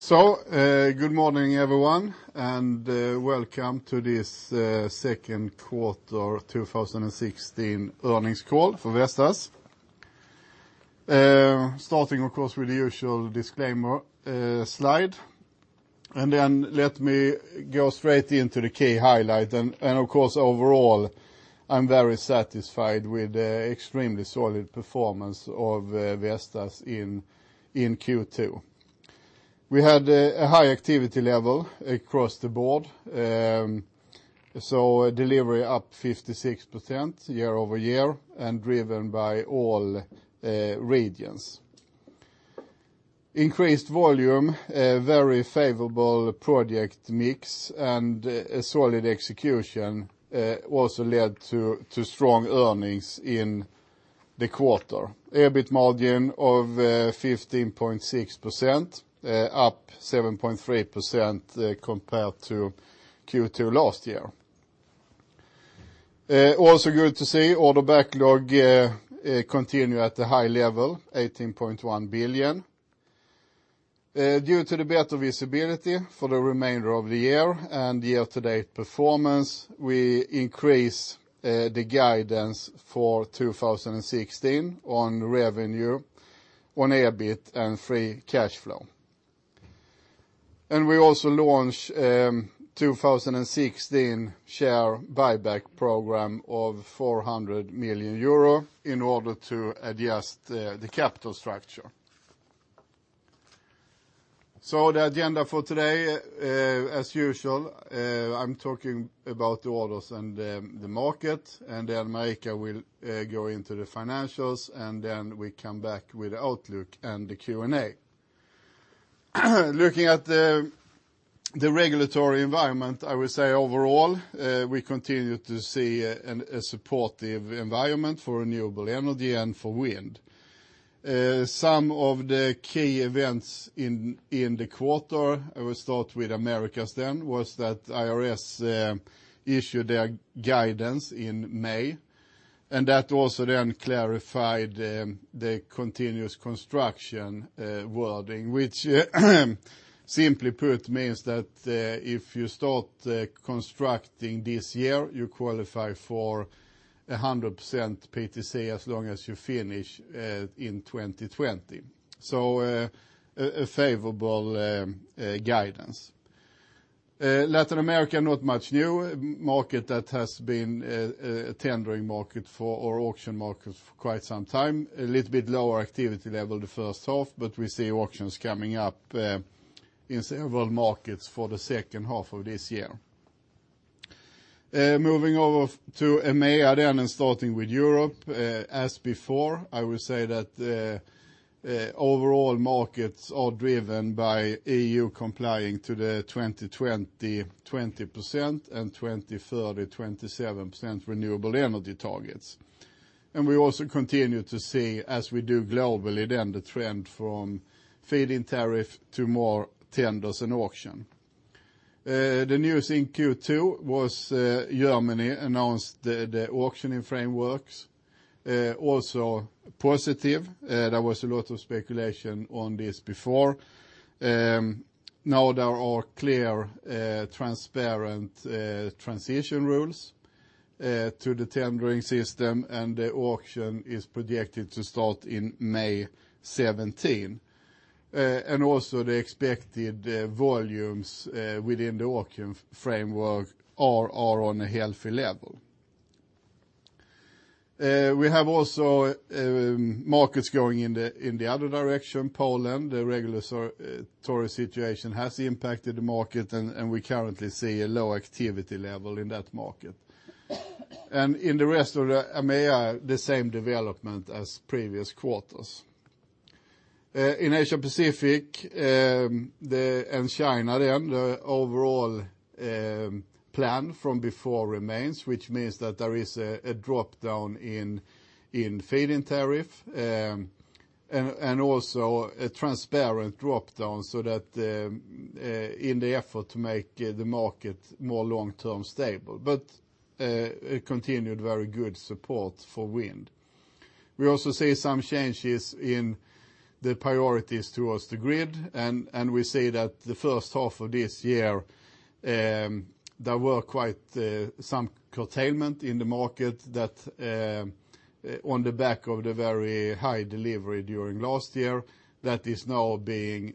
Good morning, everyone, welcome to this second quarter 2016 earnings call for Vestas. Starting, of course, with the usual disclaimer slide, let me go straight into the key highlights. Of course, overall, I'm very satisfied with the extremely solid performance of Vestas in Q2. We had a high activity level across the board. Delivery up 56% year-over-year and driven by all regions. Increased volume, very favorable project mix, and a solid execution also led to strong earnings in the quarter. EBIT margin of 15.6%, up 7.3% compared to Q2 last year. Also good to see order backlog continue at a high level, 18.1 billion. Due to the better visibility for the remainder of the year and year-to-date performance, we increase the guidance for 2016 on revenue, on EBIT, and free cash flow. We also launch 2016 share buyback program of 400 million euro in order to adjust the capital structure. The agenda for today, as usual, I'm talking about the orders and the market, Marika will go into the financials, then we come back with the outlook and the Q&A. Looking at the regulatory environment, I will say overall, we continue to see a supportive environment for renewable energy and for wind. Some of the key events in the quarter, I will start with Americas, was that IRS issued their guidance in May, that also then clarified the continuous construction wording, which simply put, means that if you start constructing this year, you qualify for 100% PTC as long as you finish in 2020. A favorable guidance. Latin America, not much new. Market that has been a tendering market or auction market for quite some time. A little bit lower activity level the first half, but we see auctions coming up in several markets for the second half of this year. Moving over to EMEA, starting with Europe. As before, I will say that the overall markets are driven by EU complying to the 2020 20% and 2030 27% renewable energy targets. We also continue to see, as we do globally, the trend from feed-in tariff to more tenders and auction. The news in Q2 was Germany announced the auctioning frameworks. Also positive. There was a lot of speculation on this before. Now there are clear, transparent transition rules to the tendering system, and the auction is projected to start in May 2017. Also the expected volumes within the auction framework are on a healthy level. We have also markets going in the other direction. Poland, the regulatory situation has impacted the market, we currently see a low activity level in that market. In the rest of the EMEA, the same development as previous quarters. In Asia-Pacific and China, the overall plan from before remains, which means that there is a drop-down in feed-in tariff, also a transparent drop-down so that in the effort to make the market more long-term stable, but a continued very good support for wind. We also see some changes in the priorities towards the grid, we see that the first half of this year, there were quite some curtailment in the market that on the back of the very high delivery during last year, that is now being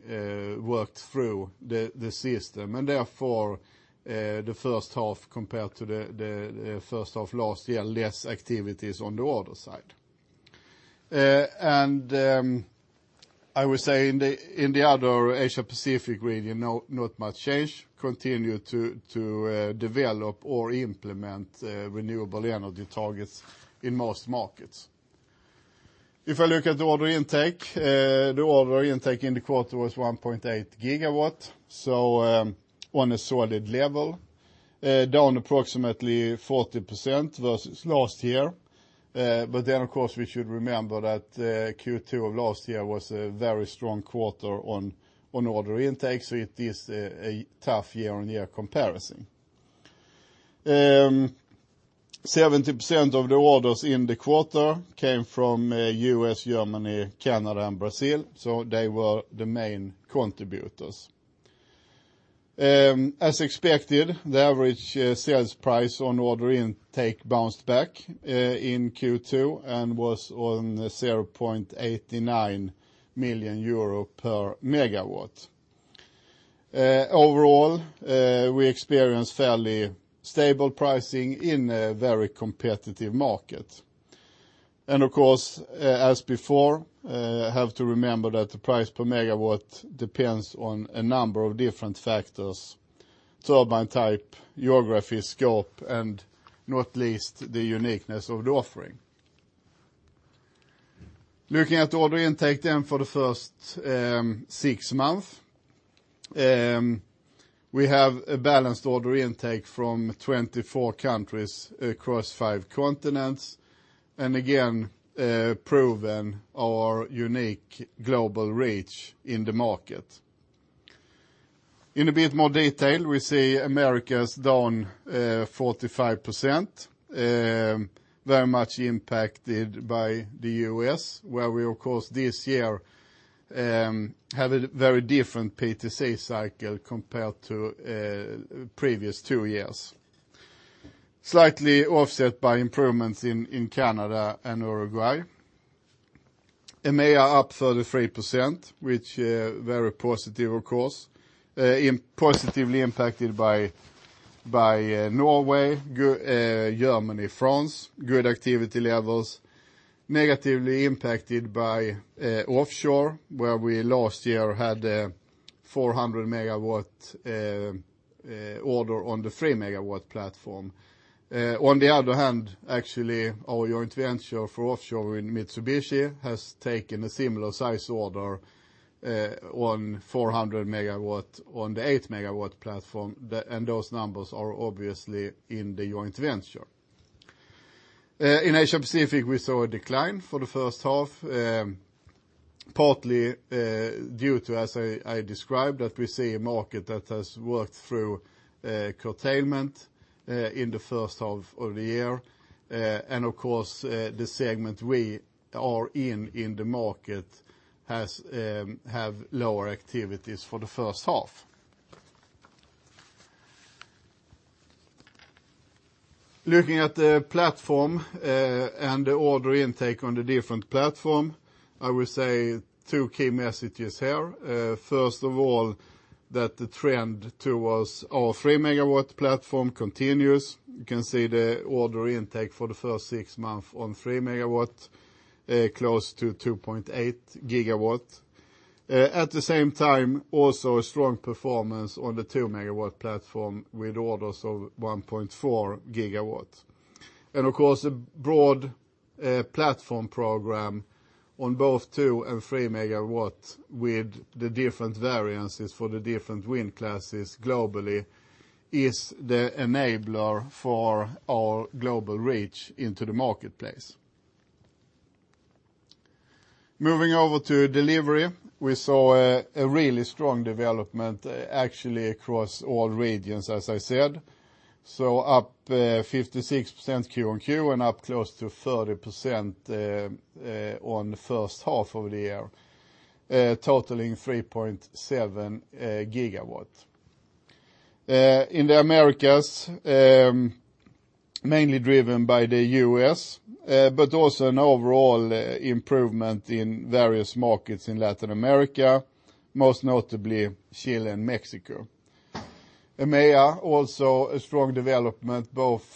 worked through the system. Therefore, the first half compared to the first half last year, less activities on the order side. I will say in the other Asia-Pacific region, not much change. Continue to develop or implement renewable energy targets in most markets. If I look at the order intake, the order intake in the quarter was 1.8 GW, on a solid level. Down approximately 40% versus last year. Of course, we should remember that Q2 of last year was a very strong quarter on order intake, so it is a tough year-on-year comparison. 70% of the orders in the quarter came from U.S., Germany, Canada, and Brazil. They were the main contributors. As expected, the average sales price on order intake bounced back in Q2 and was 0.89 million euro per MW. Overall, we experienced fairly stable pricing in a very competitive market. Of course, as before, have to remember that the price per MW depends on a number of different factors: turbine type, geography, scope, and not least, the uniqueness of the offering. Looking at the order intake then for the first six months, we have a balanced order intake from 24 countries across five continents, and again, proven our unique global reach in the market. In a bit more detail, we see Americas down 45%, very much impacted by the U.S., where we, of course, this year have a very different PTC cycle compared to previous two years. Slightly offset by improvements in Canada and Uruguay. EMEA up 33%, which, very positive, of course, positively impacted by Norway, Germany, France, good activity levels. Negatively impacted by offshore, where we last year had a 400 MW order on the 3-megawatt platform. On the other hand, actually, our joint venture for offshore with Mitsubishi has taken a similar size order on 400 MW on the 8-megawatt platform, and those numbers are obviously in the joint venture. In Asia Pacific, we saw a decline for the first half, partly due to, as I described, that we see a market that has worked through curtailment in the first half of the year. Of course, the segment we are in the market have lower activities for the first half. Looking at the platform, and the order intake on the different platform, I will say two key messages here. First of all, that the trend towards our 3-megawatt platform continues. You can see the order intake for the first six months on 3 MW, close to 2.8 GW. At the same time, also a strong performance on the 2-megawatt platform with orders of 1.4 GW. Of course, a broad platform program on both 2 and 3 MW with the different variances for the different wind classes globally is the enabler for our global reach into the marketplace. Moving over to delivery, we saw a really strong development actually across all regions, as I said. Up 56% Q-on-Q and up close to 30% on the first half of the year, totaling 3.7 GW. In the Americas, mainly driven by the U.S., but also an overall improvement in various markets in Latin America, most notably Chile and Mexico. EMEA, also a strong development, both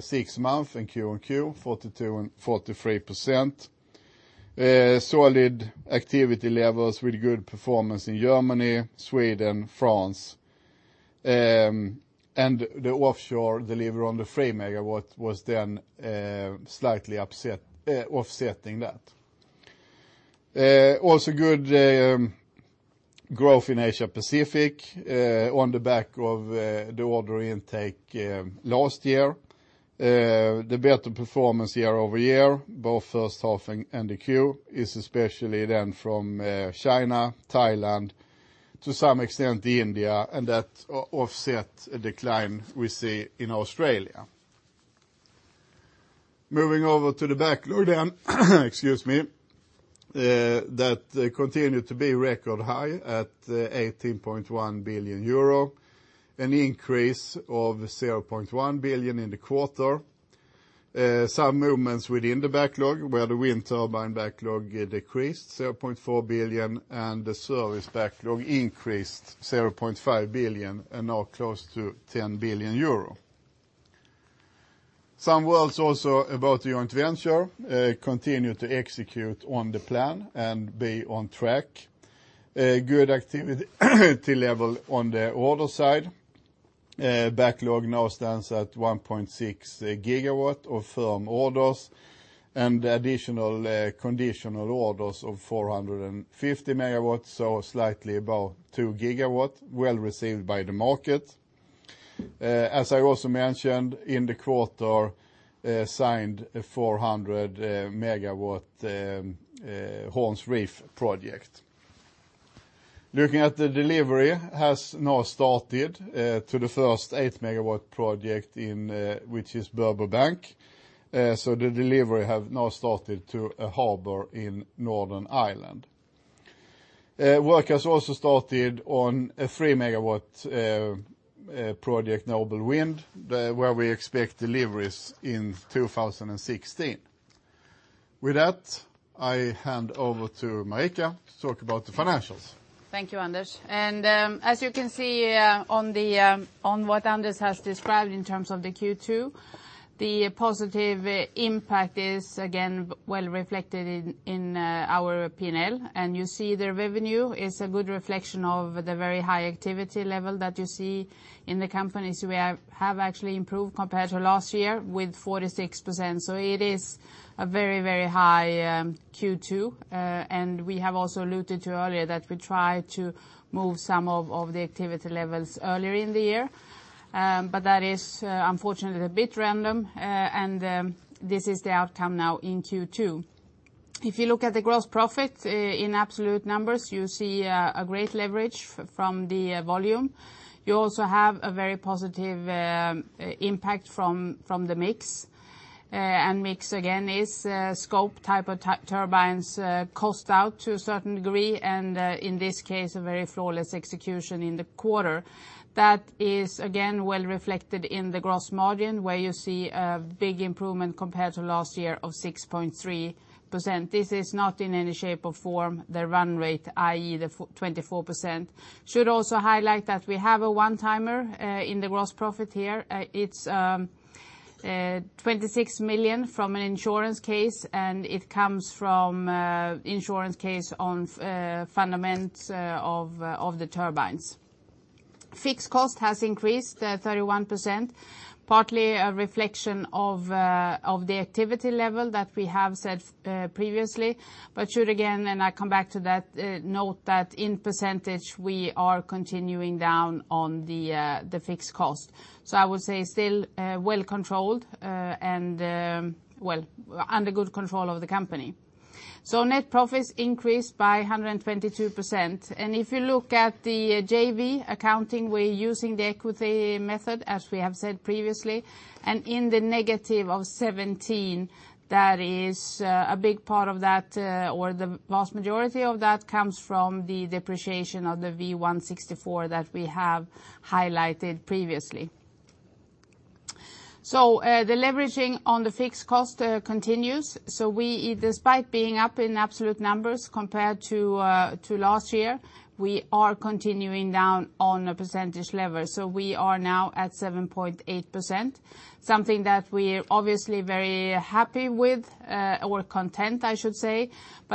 six months and Q-on-Q, 42% and 43%. Solid activity levels with good performance in Germany, Sweden, France. The offshore delivery on the 3 MW was then slightly offsetting that. Also good growth in Asia Pacific, on the back of the order intake last year. The better performance year-over-year, both first half and the Q, is especially from China, Thailand, to some extent India, and that offset a decline we see in Australia. Moving over to the backlog, excuse me, that continued to be record high at 18.1 billion euro, an increase of 0.1 billion in the quarter. Movements within the backlog, where the wind turbine backlog decreased 0.4 billion and the service backlog increased 0.5 billion and now close to 10 billion euro. Some words also about the joint venture. It continues to execute on the plan and be on track. There was a good activity level on the order side. Backlog now stands at 1.6 GW of firm orders and additional conditional orders of 450 MW, so slightly above 2 GW, well received by the market. As I also mentioned, in the quarter, signed a 400 MW Horns Rev project. Looking at the delivery has now started to the first 8-megawatt project, which is Burbo Bank. The delivery has now started to a harbor in Northern Ireland. Work has also started on a 3-megawatt project, Nobelwind, where we expect deliveries in 2016. With that, I hand over to Marika to talk about the financials. Thank you, Anders. As you can see on what Anders has described in terms of the Q2, the positive impact is again well reflected in our P&L. You see the revenue is a good reflection of the very high activity level that you see in the companies. We have actually improved compared to last year with 46%. It is a very high Q2. We have also alluded to earlier that we try to move some of the activity levels earlier in the year. That is unfortunately a bit random, and this is the outcome now in Q2. If you look at the gross profit in absolute numbers, you see a great leverage from the volume. You also have a very positive impact from the mix. Mix again is scope type of turbines cost out to a certain degree and, in this case, a very flawless execution in the quarter. That is again well reflected in the gross margin, where you see a big improvement compared to last year of 6.3%. This is not in any shape or form the run rate, i.e., the 24%. We should also highlight that we have a one-timer in the gross profit here. It is 26 million from an insurance case, and it comes from insurance case on fundament of the turbines. Fixed cost has increased 31%, partly a reflection of the activity level that we have said previously. We should again, and I come back to that, note that in percentage, we are continuing down on the fixed cost. I would say still well controlled and well under good control of the company. Net profits increased by 122%. If you look at the JV accounting, we're using the equity method, as we have said previously. In the negative of 17, that is a big part of that, or the vast majority of that comes from the depreciation of the V164 that we have highlighted previously. The leveraging on the fixed cost continues. We, despite being up in absolute numbers compared to last year, we are continuing down on a percentage level. We are now at 7.8%, something that we're obviously very happy with or content, I should say.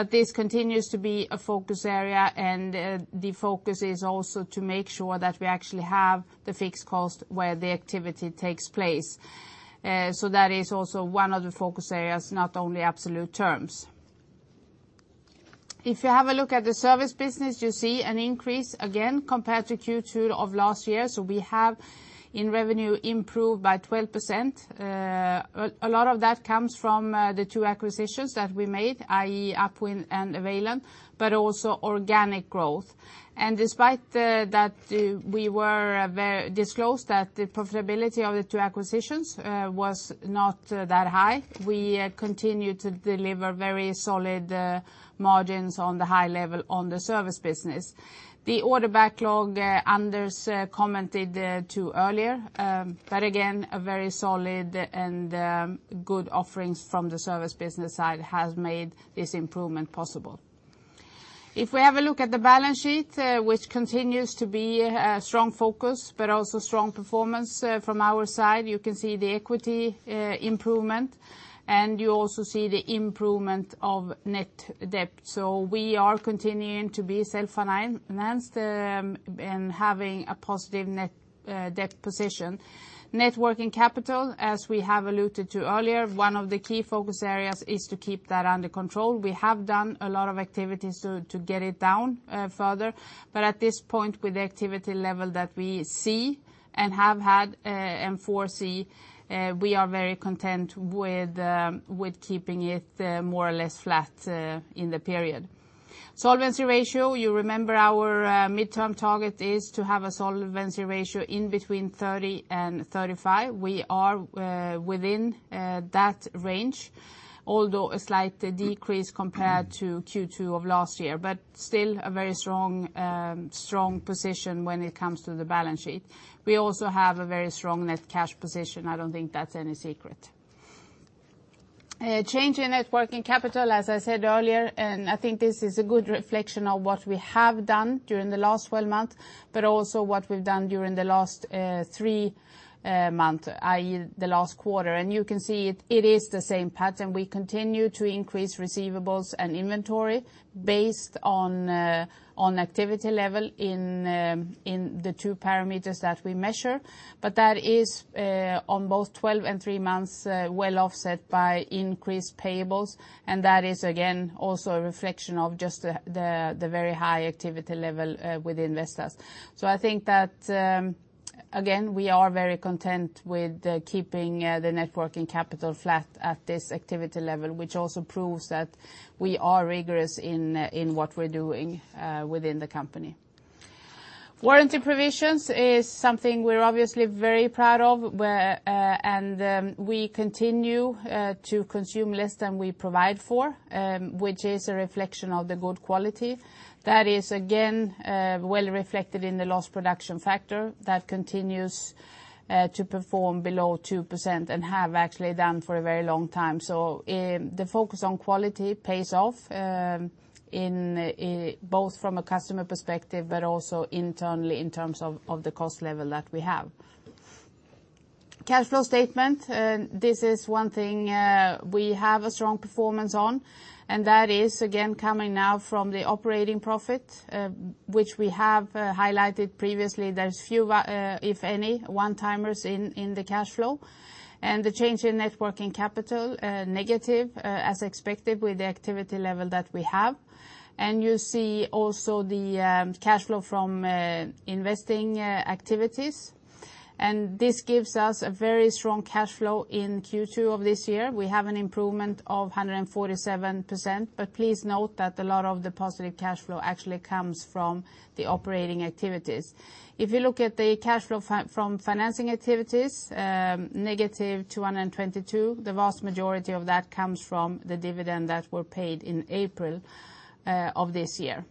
This continues to be a focus area, and the focus is also to make sure that we actually have the fixed cost where the activity takes place. That is also one of the focus areas, not only absolute terms. If you have a look at the service business, you see an increase again compared to Q2 of last year. We have, in revenue, improved by 12%. A lot of that comes from the two acquisitions that we made, i.e., UpWind and Availon, but also organic growth. Despite that, we were disclosed that the profitability of the two acquisitions was not that high. We continue to deliver very solid margins on the high level on the service business. The order backlog, Anders commented to earlier, but again, a very solid and good offerings from the service business side has made this improvement possible. If we have a look at the balance sheet, which continues to be a strong focus, but also strong performance from our side, you can see the equity improvement, and you also see the improvement of net debt. We are continuing to be self-financed and having a positive net debt position. Net working capital, as we have alluded to earlier, one of the key focus areas is to keep that under control. We have done a lot of activities to get it down further. At this point, with the activity level that we see and have had and foresee, we are very content with keeping it more or less flat in the period. Solvency ratio, you remember our midterm target is to have a solvency ratio in between 30%-35%. We are within that range, although a slight decrease compared to Q2 of last year. Still a very strong position when it comes to the balance sheet. We also have a very strong net cash position. I don't think that's any secret. Change in net working capital, as I said earlier, and I think this is a good reflection of what we have done during the last 12 months, but also what we've done during the last three months, i.e., the last quarter. You can see it is the same pattern. We continue to increase receivables and inventory based on activity level in the two parameters that we measure. That is, on both 12 and three months, well offset by increased payables, and that is, again, also a reflection of just the very high activity level with Vestas. I think that Again, we are very content with keeping the net working capital flat at this activity level, which also proves that we are rigorous in what we're doing within the company. Warranty provisions is something we are obviously very proud of, and we continue to consume less than we provide for, which is a reflection of the good quality. That is, again, well reflected in the loss production factor that continues to perform below 2% and have actually done for a very long time. The focus on quality pays off both from a customer perspective, but also internally in terms of the cost level that we have. Cash flow statement. This is one thing we have a strong performance on, and that is again coming now from the operating profit, which we have highlighted previously. There is fewer, if any, one-timers in the cash flow. The change in net working capital, negative as expected with the activity level that we have. You see also the cash flow from investing activities. This gives us a very strong cash flow in Q2 of this year. We have an improvement of 147%, but please note that a lot of the positive cash flow actually comes from the operating activities. If you look at the cash flow from financing activities, negative 222. The vast majority of that comes from the dividend that were paid in April of this year.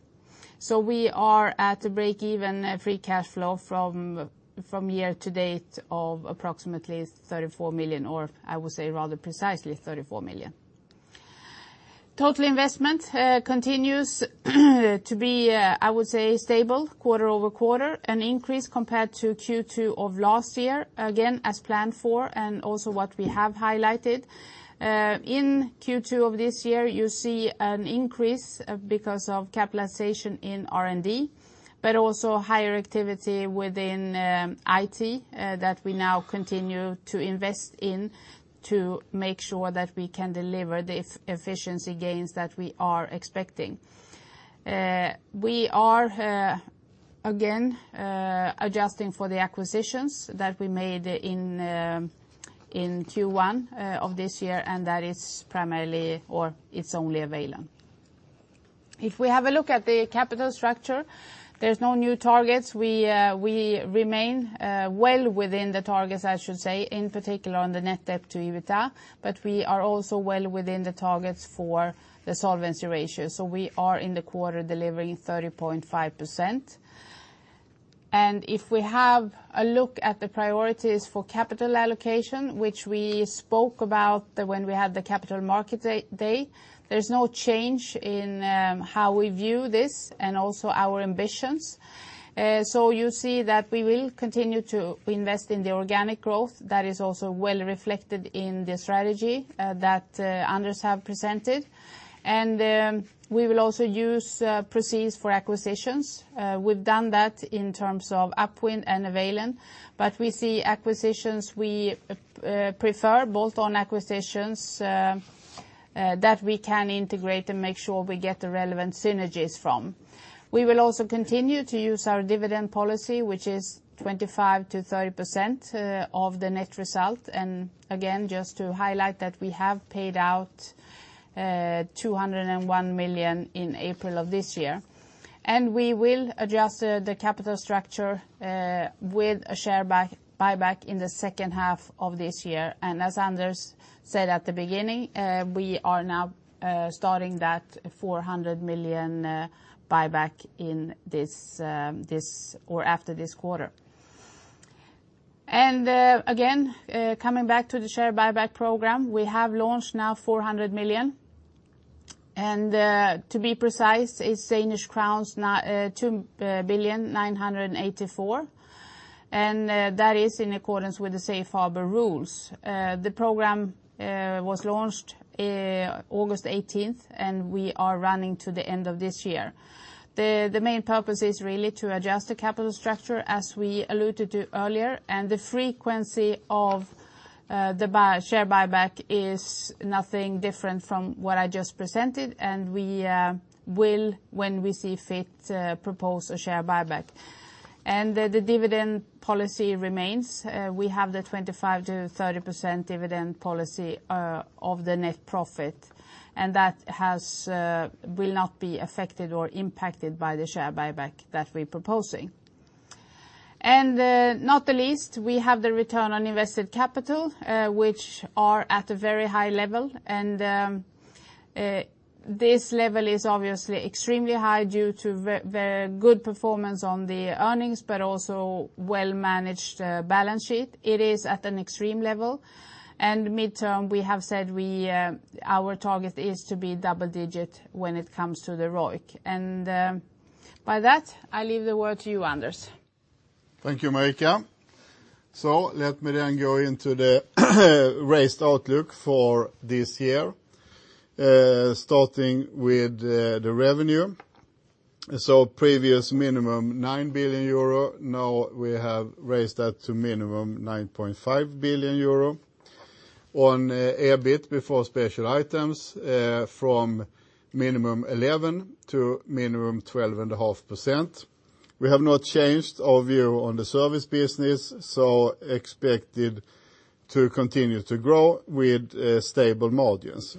We are at a break-even free cash flow from year to date of approximately 34 million, or I would say rather precisely 34 million. Total investment continues to be, I would say, stable quarter-over-quarter. An increase compared to Q2 of last year, again, as planned for and also what we have highlighted. In Q2 of this year, you see an increase because of capitalization in R&D, but also higher activity within IT that we now continue to invest in to make sure that we can deliver the efficiency gains that we are expecting. We are, again, adjusting for the acquisitions that we made in Q1 of this year, and that is primarily or it is only Availon. If we have a look at the capital structure, there is no new targets. We remain well within the targets, I should say, in particular on the net debt to EBITDA, but we are also well within the targets for the solvency ratio. We are in the quarter delivering 30.5%. If we have a look at the priorities for capital allocation, which we spoke about when we had the Capital Markets Day, there is no change in how we view this and also our ambitions. You see that we will continue to invest in the organic growth that is also well reflected in the strategy that Anders have presented. We will also use proceeds for acquisitions. We have done that in terms of UpWind and Availon, but we see acquisitions we prefer both on acquisitions that we can integrate and make sure we get the relevant synergies from. We will also continue to use our dividend policy, which is 25%-30% of the net result. Again, just to highlight that we have paid out 201 million in April of this year. We will adjust the capital structure with a share buyback in the second half of this year. As Anders said at the beginning, we are now starting that 400 million buyback after this quarter. Again, coming back to the share buyback program, we have launched now 400 million. To be precise, it's Danish crowns 2,984 billion. That is in accordance with the safe harbor rules. The program was launched August 18th, and we are running to the end of this year. The main purpose is really to adjust the capital structure, as we alluded to earlier. The frequency of the share buyback is nothing different from what I just presented, and we will, when we see fit, propose a share buyback. The dividend policy remains. We have the 25%-30% dividend policy of the net profit, and that will not be affected or impacted by the share buyback that we're proposing. Not the least, we have the return on invested capital, which are at a very high level. This level is obviously extremely high due to the good performance on the earnings, but also well-managed balance sheet. It is at an extreme level. Midterm, we have said our target is to be double-digit when it comes to the ROIC. By that, I leave the word to you, Anders. Thank you, Marika. Let me then go into the raised outlook for this year, starting with the revenue. Previous minimum 9 billion euro. Now we have raised that to minimum 9.5 billion euro. On EBIT before special items, from minimum 11% to minimum 12.5%. We have not changed our view on the service business, expected to continue to grow with stable margins.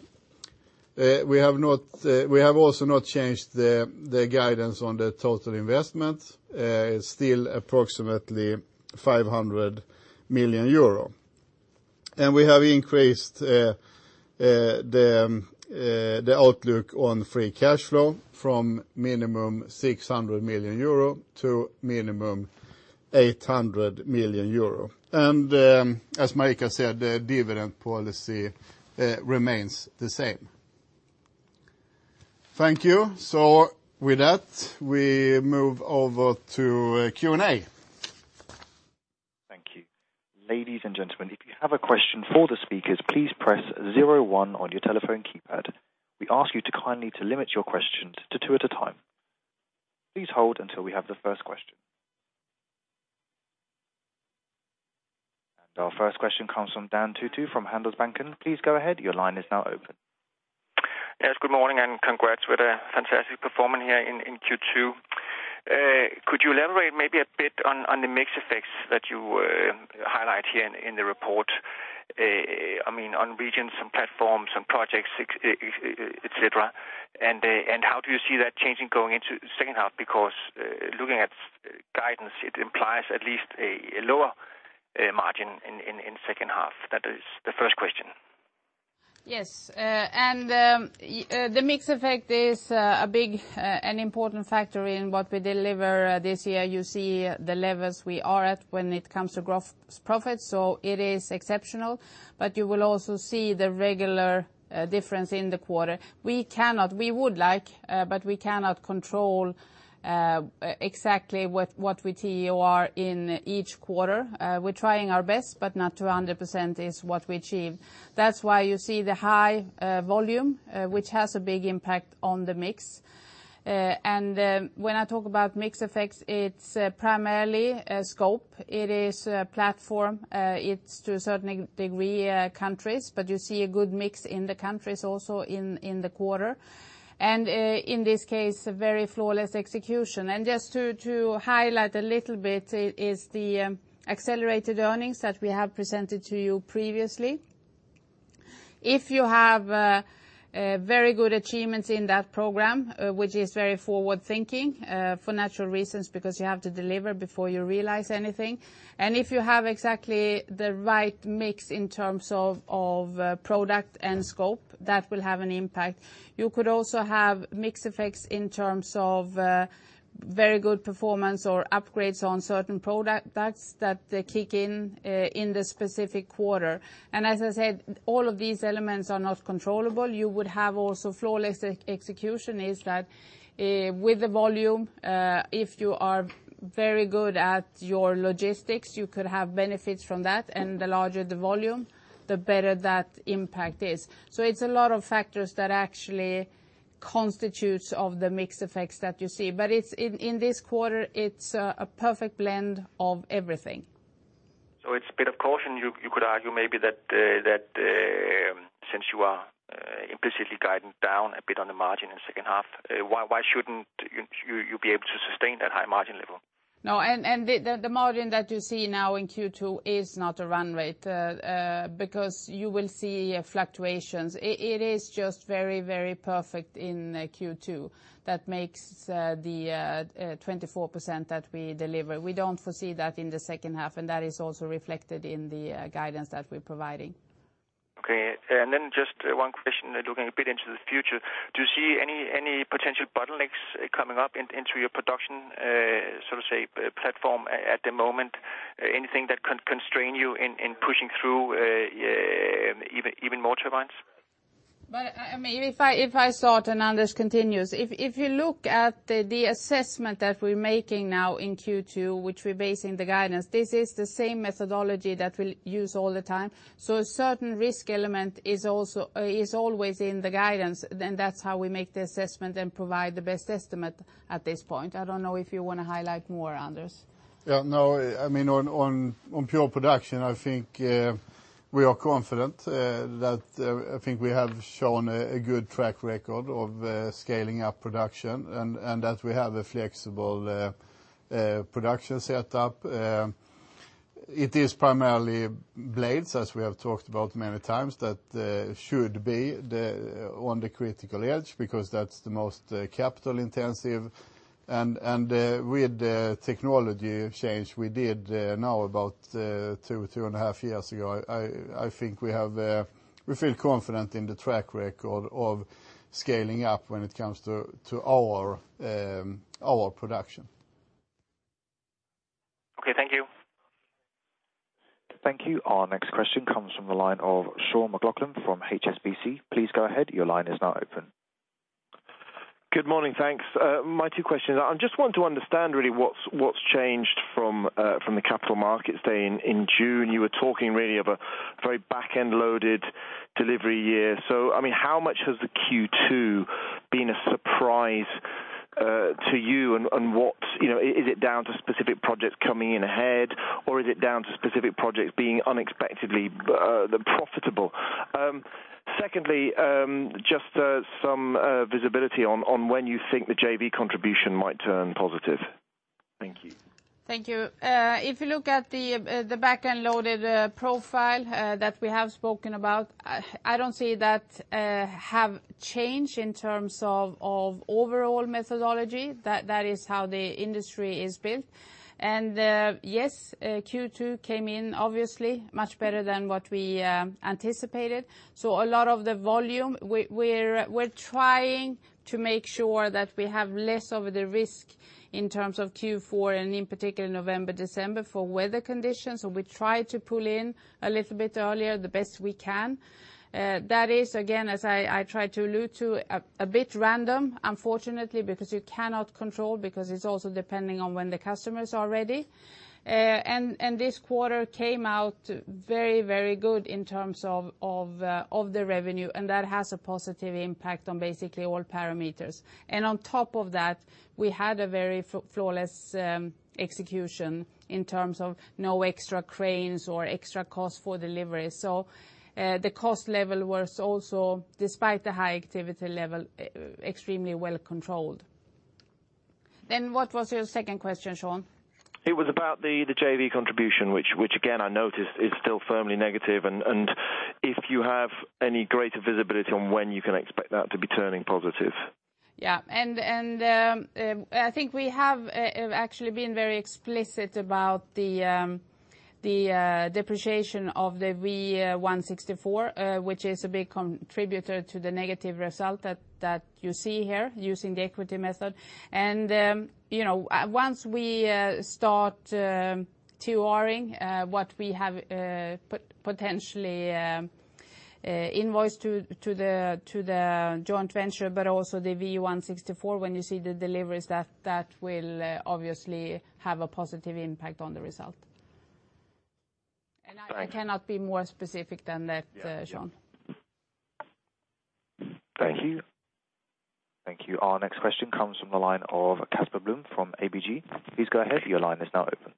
We have also not changed the guidance on the total investment. It's still approximately 500 million euro. We have increased the outlook on free cash flow from minimum 600 million euro to minimum 800 million euro. As Marika said, the dividend policy remains the same. Thank you. With that, we move over to Q&A. Thank you. Ladies and gentlemen, if you have a question for the speakers, please press 01 on your telephone keypad. We ask you to kindly limit your questions to two at a time. Please hold until we have the first question. Our first question comes from Dan Togo from Handelsbanken. Please go ahead. Your line is now open. Yes, good morning. Congrats with a fantastic performance here in Q2. Could you elaborate maybe a bit on the mix effects that you highlight here in the report, on regions and platforms and projects, et cetera, and how do you see that changing going into the second half? Looking at guidance, it implies at least a lower margin in second half. That is the first question. Yes. The mix effect is a big and important factor in what we deliver this year. You see the levels we are at when it comes to gross profit, so it is exceptional. You will also see the regular difference in the quarter. We would like, but we cannot control exactly what we [deliver] in each quarter. We're trying our best, but not 200% is what we achieve. That's why you see the high volume, which has a big impact on the mix. When I talk about mix effects, it's primarily scope. It is platform. It's to a certain degree, countries, but you see a good mix in the countries also in the quarter. In this case, a very flawless execution. Just to highlight a little bit is the accelerated earnings that we have presented to you previously. If you have very good achievements in that program, which is very forward-thinking, for natural reasons, because you have to deliver before you realize anything, and if you have exactly the right mix in terms of product and scope, that will have an impact. You could also have mix effects in terms of very good performance or upgrades on certain products that kick in in the specific quarter. As I said, all of these elements are not controllable. You would have also flawless execution is that with the volume, if you are very good at your logistics, you could have benefits from that, and the larger the volume, the better that impact is. It's a lot of factors that actually constitutes of the mix effects that you see. In this quarter, it's a perfect blend of everything. It's a bit of caution, you could argue maybe that since you are implicitly guiding down a bit on the margin in the second half, why shouldn't you be able to sustain that high margin level? No, the margin that you see now in Q2 is not a run rate, because you will see fluctuations. It is just very perfect in Q2 that makes the 24% that we deliver. We don't foresee that in the second half, and that is also reflected in the guidance that we're providing. Okay, just one question, looking a bit into the future. Do you see any potential bottlenecks coming up into your production, so to say, platform at the moment? Anything that can constrain you in pushing through even more turbines? If I start and Anders continues. If you look at the assessment that we're making now in Q2, which we base in the guidance, this is the same methodology that we'll use all the time. A certain risk element is always in the guidance, that's how we make the assessment and provide the best estimate at this point. I don't know if you want to highlight more, Anders. Yeah, no, on pure production, I think we are confident that we have shown a good track record of scaling up production, and that we have a flexible production setup. It is primarily blades, as we have talked about many times, that should be on the critical edge, because that's the most capital intensive. With the technology change we did now about two and a half years ago, I think we feel confident in the track record of scaling up when it comes to our production. Okay, thank you. Thank you. Our next question comes from the line of Sean McLoughlin from HSBC. Please go ahead. Your line is now open. Good morning. Thanks. My two questions are, I just want to understand really what's changed from the Capital Markets Day in June. You were talking really of a very back-end loaded delivery year. How much has the Q2 been a surprise to you, and is it down to specific projects coming in ahead, or is it down to specific projects being unexpectedly profitable? Secondly, just some visibility on when you think the JV contribution might turn positive. Thank you. Thank you. If you look at the back-end loaded profile that we have spoken about, I don't see that have changed in terms of overall methodology. That is how the industry is built. Yes, Q2 came in obviously much better than what we anticipated. A lot of the volume, we're trying to make sure that we have less of the risk in terms of Q4, and in particular, November, December for weather conditions. We try to pull in a little bit earlier, the best we can. That is, again, as I tried to allude to, a bit random, unfortunately, because you cannot control, because it's also depending on when the customers are ready. This quarter came out very good in terms of the revenue, and that has a positive impact on basically all parameters. On top of that, we had a very flawless execution in terms of no extra cranes or extra cost for delivery. The cost level was also, despite the high activity level, extremely well controlled. What was your second question, Sean? It was about the JV contribution, which again, I noticed is still firmly negative. If you have any greater visibility on when you can expect that to be turning positive. Yeah. I think we have actually been very explicit about the depreciation of the V164, which is a big contributor to the negative result that you see here using the equity method. Once we start ToR-ing, what we have potentially invoiced to the joint venture, but also the V164, when you see the deliveries, that will obviously have a positive impact on the result. Thank you. I cannot be more specific than that, Sean. Yeah. Thank you. Thank you. Our next question comes from the line of Casper Blom from ABG. Please go ahead. Your line is now open.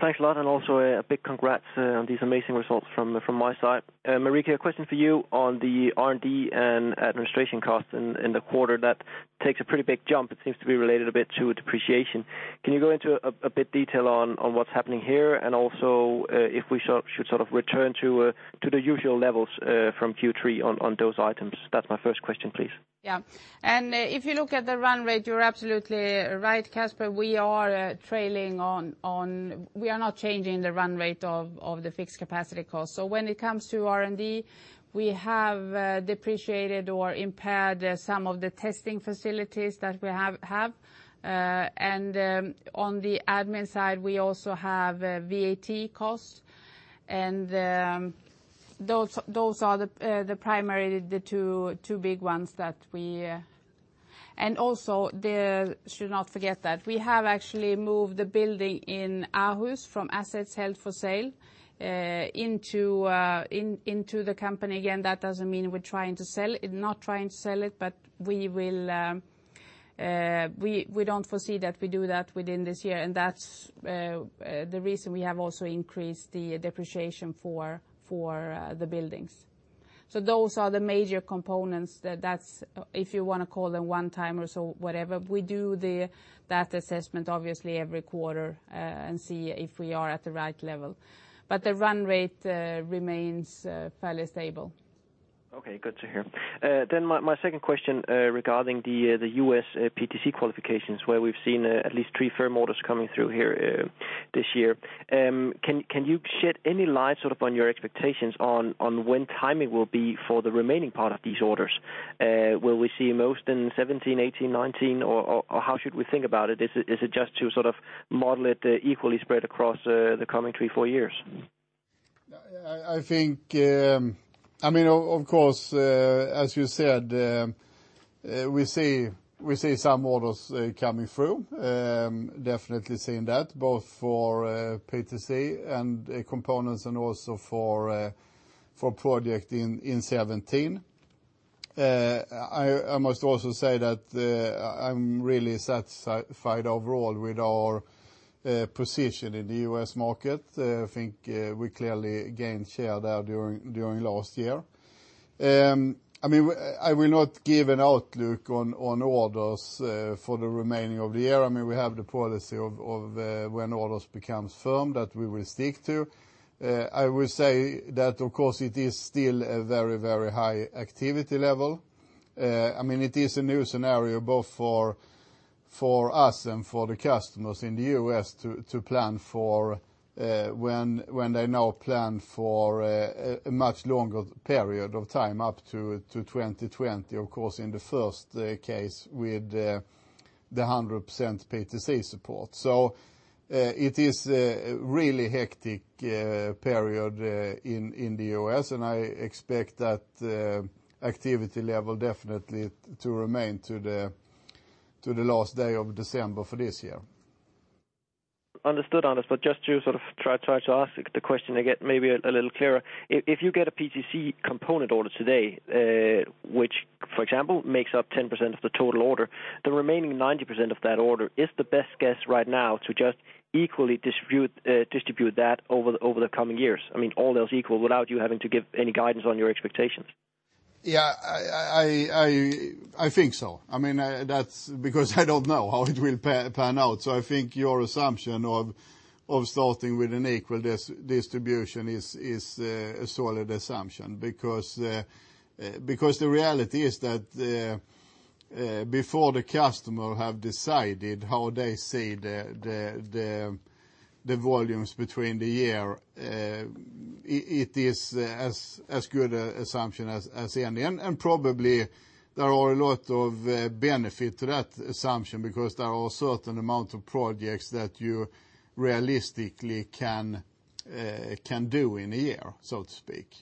Thanks a lot. Also a big congrats on these amazing results from my side. Marika, a question for you on the R&D and administration cost in the quarter, that takes a pretty big jump. It seems to be related a bit to depreciation. Can you go into a bit detail on what's happening here, and also, if we should sort of return to the usual levels from Q3 on those items? That's my first question, please. Yeah. If you look at the run rate, you're absolutely right, Casper. We are not changing the run rate of the fixed capacity cost. When it comes to R&D, we have depreciated or impaired some of the testing facilities that we have. On the admin side, we also have VAT costs. Those are the primary, the two big ones. Also, we should not forget that we have actually moved the building in Aarhus from assets held for sale, into the company. Again, that doesn't mean we're trying to sell it, but we don't foresee that we do that within this year, and that's the reason we have also increased the depreciation for the buildings. Those are the major components. If you want to call them one time or so, whatever, we do that assessment, obviously, every quarter, and see if we are at the right level. The run rate remains fairly stable. Okay, good to hear. My second question, regarding the U.S. PTC qualifications, where we've seen at least three firm orders coming through here this year. Can you shed any light sort of on your expectations on when timing will be for the remaining part of these orders? Will we see most in 2017, 2018, 2019, or how should we think about it? Is it just to sort of model it equally spread across the coming three, four years? I think, of course, as you said, we see some orders coming through. Definitely seeing that, both for PTC and components, and also for project in 2017. I must also say that I'm really satisfied overall with our position in the U.S. market. I think we clearly gained share there during last year. I will not give an outlook on orders for the remaining of the year. We have the policy of when orders becomes firm that we will stick to. I will say that, of course, it is still a very high activity level. It is a new scenario both for us and for the customers in the U.S. to plan for when they now plan for a much longer period of time, up to 2020, of course, in the first case with the 100% PTC support. It is a really hectic period in the U.S., and I expect that activity level definitely to remain to the last day of December for this year. Understood, Anders, just to try to ask the question again, maybe a little clearer. If you get a PTC component order today, which, for example, makes up 10% of the total order, the remaining 90% of that order is the best guess right now to just equally distribute that over the coming years. I mean, all else equal, without you having to give any guidance on your expectations. Yeah. I think so. I don't know how it will pan out. I think your assumption of starting with an equal distribution is a solid assumption because the reality is that before the customer have decided how they see the volumes between the year, it is as good assumption as any. Probably there are a lot of benefit to that assumption because there are a certain amount of projects that you realistically can do in a year, so to speak.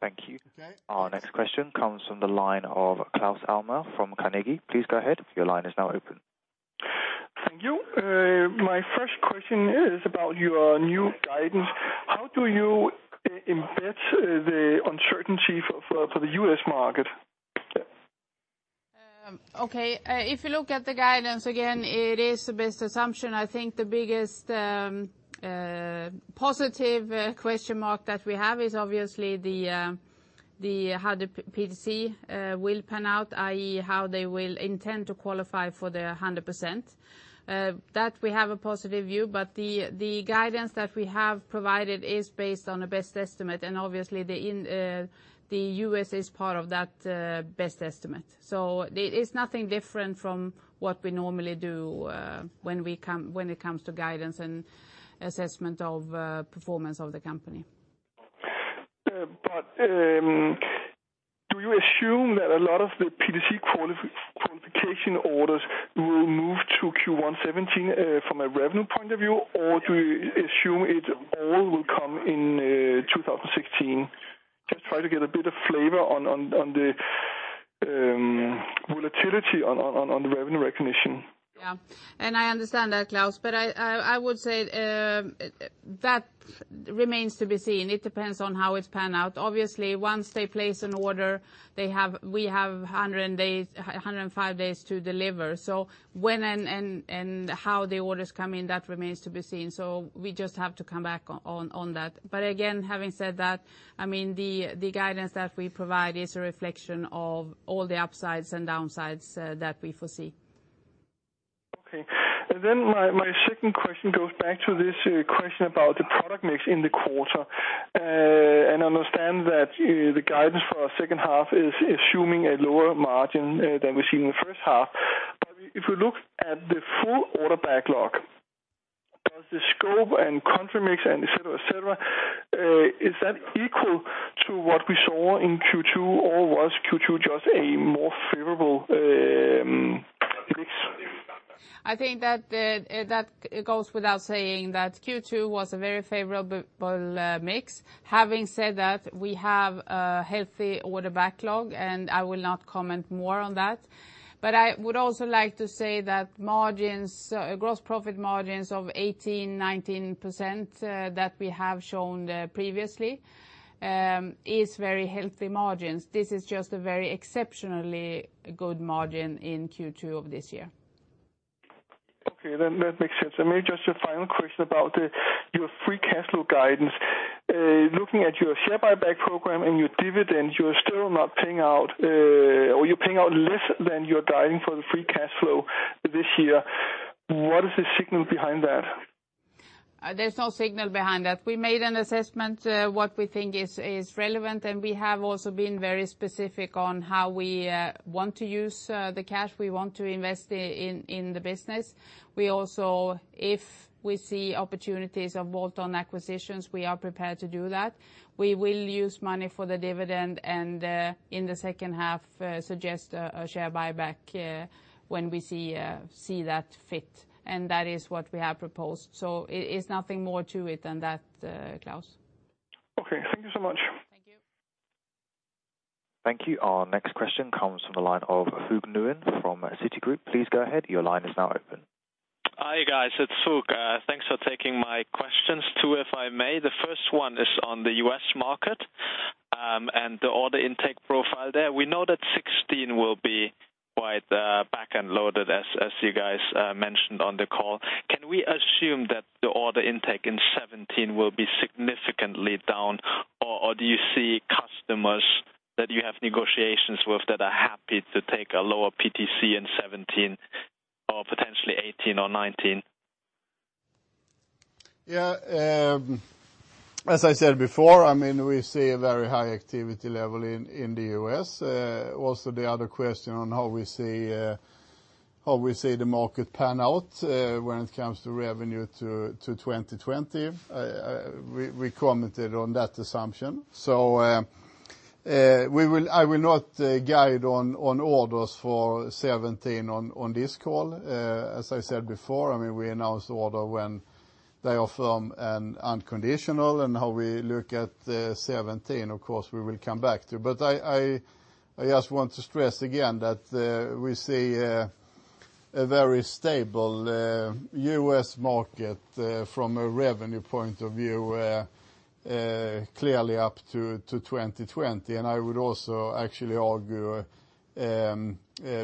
Thank you. Okay. Our next question comes from the line of Claus Almer from Carnegie. Please go ahead. Your line is now open. Thank you. My first question is about your new guidance. How do you embed the uncertainty for the U.S. market? Okay. If you look at the guidance again, it is the best assumption. I think the biggest positive question mark that we have is obviously how the PTC will pan out, i.e., how they will intend to qualify for the 100%. That we have a positive view, the guidance that we have provided is based on a best estimate and obviously the U.S. is part of that best estimate. It's nothing different from what we normally do when it comes to guidance and assessment of performance of the company. Do you assume that a lot of the PTC qualification orders will move to Q1 2017 from a revenue point of view? Do you assume it all will come in 2016? Just try to get a bit of flavor on the volatility on the revenue recognition. I understand that, Claus, I would say that remains to be seen. It depends on how it pan out. Obviously, once they place an order, we have 105 days to deliver. When and how the orders come in, that remains to be seen. We just have to come back on that. Again, having said that, the guidance that we provide is a reflection of all the upsides and downsides that we foresee. Okay. My second question goes back to this question about the product mix in the quarter. I understand that the guidance for our second half is assuming a lower margin than we see in the first half. If we look at the full order backlog, does the scope and country mix and et cetera, is that equal to what we saw in Q2 or was Q2 just a more favorable mix? I think that goes without saying that Q2 was a very favorable mix. Having said that, we have a healthy order backlog, I will not comment more on that. I would also like to say that gross profit margins of 18%-19% that we have shown previously, is very healthy margins. This is just a very exceptionally good margin in Q2 of this year. Okay. That makes sense. Maybe just a final question about your free cash flow guidance. Looking at your share buyback program and your dividend, you're still not paying out, or you're paying out less than you're guiding for the free cash flow this year. What is the signal behind that? There's no signal behind that. We made an assessment, what we think is relevant, and we have also been very specific on how we want to use the cash. We want to invest in the business. We also, if we see opportunities of bolt-on acquisitions, we are prepared to do that. We will use money for the dividend and, in the second half, suggest a share buyback when we see that fit, and that is what we have proposed. It's nothing more to it than that, Klaus. Okay. Thank you so much. Thank you. Thank you. Our next question comes from the line of Phuc Nguyen from Citi. Please go ahead. Your line is now open. Hi, guys. It's Phuc. Thanks for taking my questions. 2, if I may. The first one is on the U.S. market, and the order intake profile there. We know that 2016 will be quite back-end loaded, as you guys mentioned on the call. Can we assume that the order intake in 2017 will be significantly down? Or do you see customers that you have negotiations with that are happy to take a lower PTC in 2017 or potentially 2018 or 2019? Yeah. As I said before, we see a very high activity level in the U.S. Also, the other question on how we see the market pan out, when it comes to revenue to 2020, we commented on that assumption. I will not guide on orders for 2017 on this call. As I said before, we announce the order when they are firm and unconditional, and how we look at 2017, of course, we will come back to. I just want to stress again that we see a very stable U.S. market from a revenue point of view, clearly up to 2020. I would also actually argue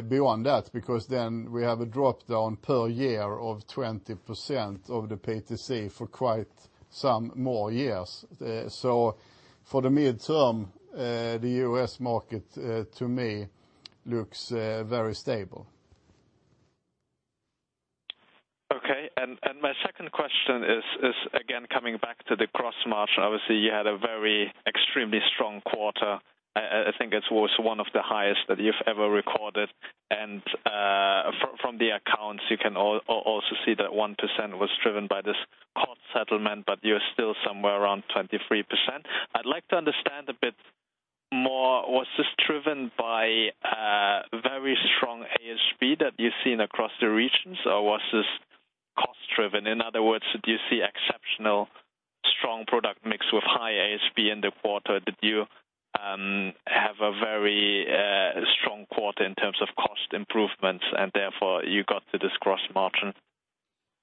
beyond that, because then we have a drop-down per year of 20% of the PTC for quite some more years. For the midterm, the U.S. market to me looks very stable. Okay. My second question is again, coming back to the gross margin. Obviously, you had a very extremely strong quarter. I think it was one of the highest that you've ever recorded. From the accounts, you can also see that 1% was driven by this court settlement, but you're still somewhere around 23%. I'd like to understand a bit more, was this driven by a very strong ASP that you've seen across the regions, or was this cost-driven? In other words, did you see exceptionally strong product mix with high ASP in the quarter? Did you have a very strong quarter in terms of cost improvements and therefore you got to this gross margin?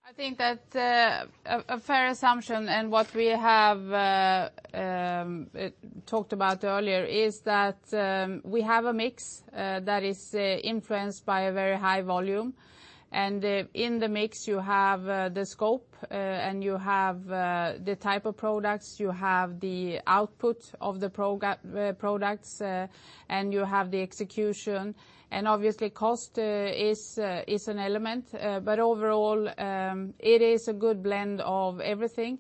I think that's a fair assumption. What we have talked about earlier is that we have a mix that is influenced by a very high volume. In the mix, you have the scope, and you have the type of products, you have the output of the products, and you have the execution. Obviously, cost is an element. Overall, it is a good blend of everything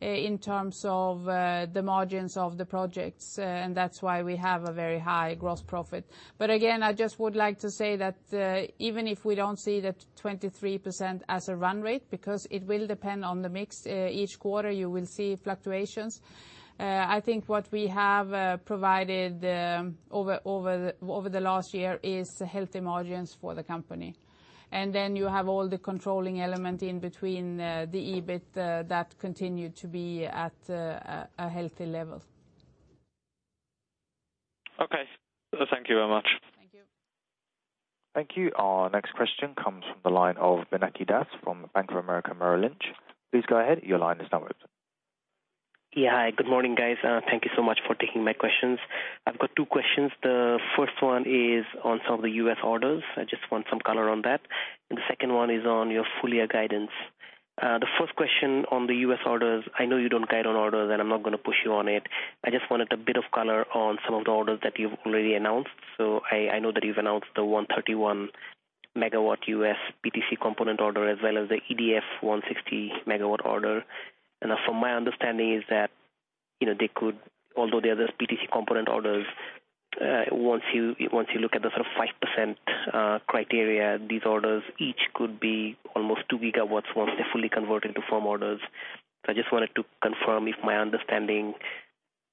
in terms of the margins of the projects. That's why we have a very high gross profit. Again, I just would like to say that even if we don't see that 23% as a run rate, because it will depend on the mix, each quarter you will see fluctuations. I think what we have provided over the last year is healthy margins for the company. Then you have all the controlling element in between the EBIT that continue to be at a healthy level. Okay. Thank you very much. Thank you. Thank you. Our next question comes from the line of Pinaki Das from Bank of America Merrill Lynch. Please go ahead. Your line is now open. Hi, good morning, guys. Thank you so much for taking my questions. I've got two questions. The first one is on some of the U.S. orders. I just want some color on that, the second one is on your full-year guidance. The first question on the U.S. orders, I know you don't guide on orders, I'm not going to push you on it. I just wanted a bit of color on some of the orders that you've already announced. I know that you've announced the 131-megawatt U.S. PTC component order as well as the EDF 160-megawatt order. From my understanding is that, although they're just PTC component orders, once you look at the sort of 5% criteria, these orders each could be almost 2 gigawatts once they're fully converted to firm orders. I just wanted to confirm if my understanding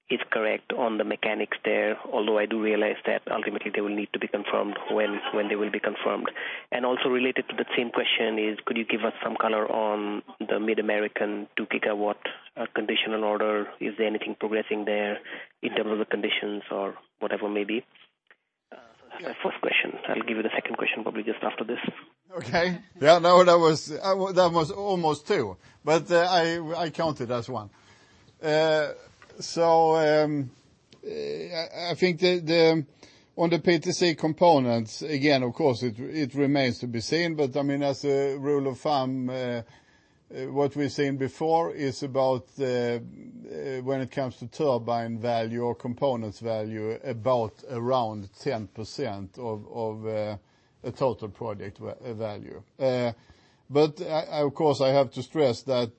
is correct on the mechanics there. Although I do realize that ultimately they will need to be confirmed when they will be confirmed. Also related to that same question is, could you give us some color on the MidAmerican 2 gigawatt conditional order? Is there anything progressing there in terms of the conditions or whatever it may be? That's my first question. I'll give you the second question probably just after this. That was almost two, but I count it as one. I think on the PTC components, again, of course, it remains to be seen, but as a rule of thumb, what we've seen before is, when it comes to turbine value or components value, around 10% of a total project value. Of course, I have to stress that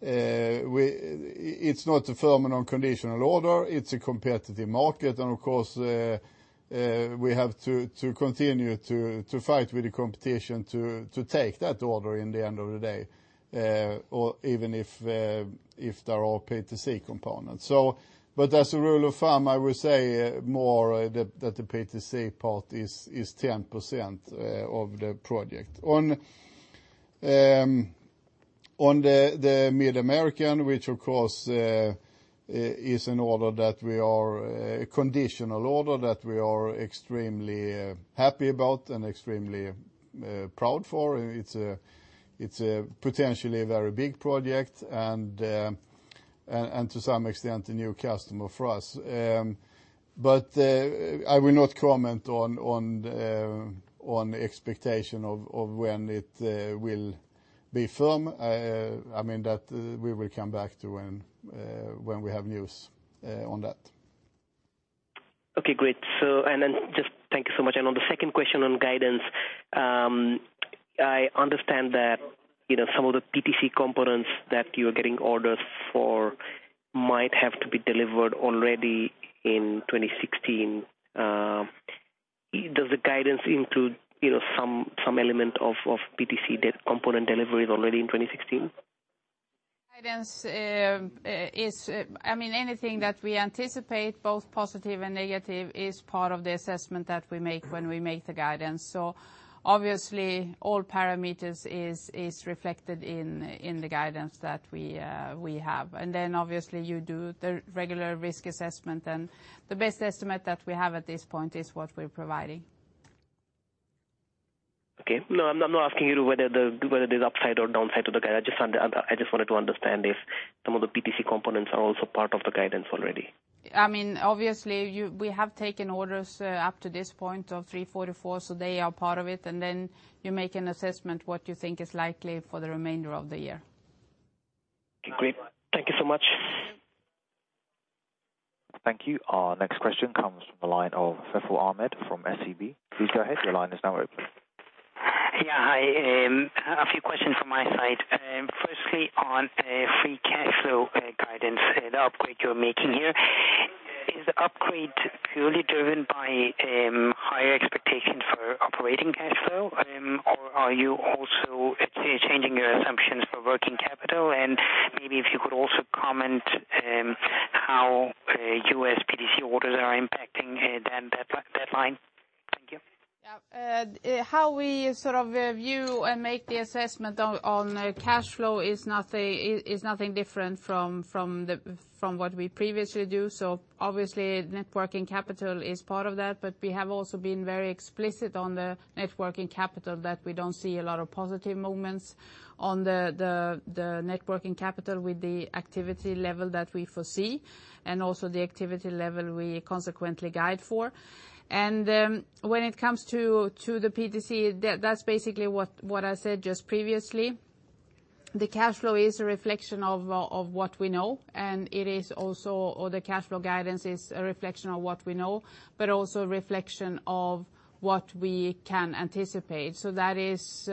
it's not a firm and unconditional order. It's a competitive market, of course, we have to continue to fight with the competition to take that order in the end of the day, or even if they're all PTC components. As a rule of thumb, I would say more that the PTC part is 10% of the project. On the MidAmerican, which of course is a conditional order that we are extremely happy about and extremely proud for. It's a potentially very big project and to some extent, a new customer for us. I will not comment on expectation of when it will be firm. That we will come back to when we have news on that. Okay, great. Thank you so much. On the second question on guidance, I understand that some of the PTC components that you're getting orders for might have to be delivered already in 2016. Does the guidance include some element of PTC component deliveries already in 2016? Guidance is, anything that we anticipate, both positive and negative, is part of the assessment that we make when we make the guidance. Obviously, all parameters is reflected in the guidance that we have. Then obviously you do the regular risk assessment and the best estimate that we have at this point is what we're providing. Okay. No, I'm not asking you whether there's upside or downside to the guide. I just wanted to understand if some of the PTC components are also part of the guidance already. Obviously, we have taken orders up to this point of 344, they are part of it, then you make an assessment what you think is likely for the remainder of the year. Okay, great. Thank you so much. Thank you. Our next question comes from the line of Fasial Ahmad from SEB. Please go ahead. Your line is now open. Yeah. Hi, a few questions from my side. Firstly, on free cash flow guidance, the upgrade you're making here. Is the upgrade purely driven by higher expectation for operating cash flow? Or are you also changing your assumptions for working capital? Maybe if you could also comment how U.S. PTC orders are impacting that line. Thank you. Yeah. How we sort of view and make the assessment on cash flow is nothing different from what we previously do. Obviously, net working capital is part of that, but we have also been very explicit on the net working capital that we don't see a lot of positive moments on the networking capital with the activity level that we foresee, and also the activity level we consequently guide for. When it comes to the PTC, that's basically what I said just previously. The cash flow is a reflection of what we know, the cash flow guidance is a reflection of what we know, but also a reflection of what we can anticipate. That is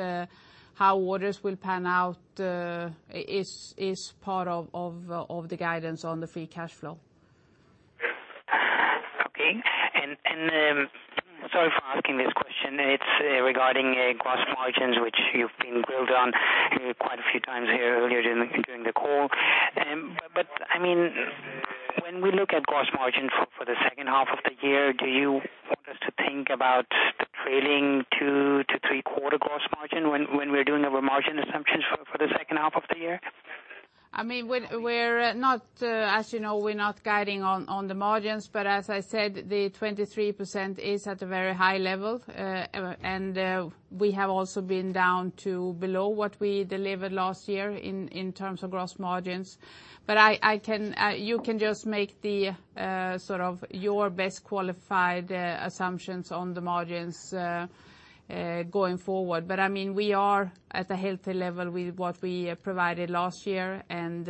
how orders will pan out, is part of the guidance on the free cash flow. Sorry for asking this question, it's regarding gross margins, which you've been grilled on quite a few times here earlier during the call. When we look at gross margin for the second half of the year, do you want us to think about the trailing two to three quarter gross margin when we're doing our margin assumptions for the second half of the year? As you know, we're not guiding on the margins, as I said, the 23% is at a very high level. We have also been down to below what we delivered last year in terms of gross margins. You can just make the sort of your best qualified assumptions on the margins going forward. We are at a healthy level with what we provided last year and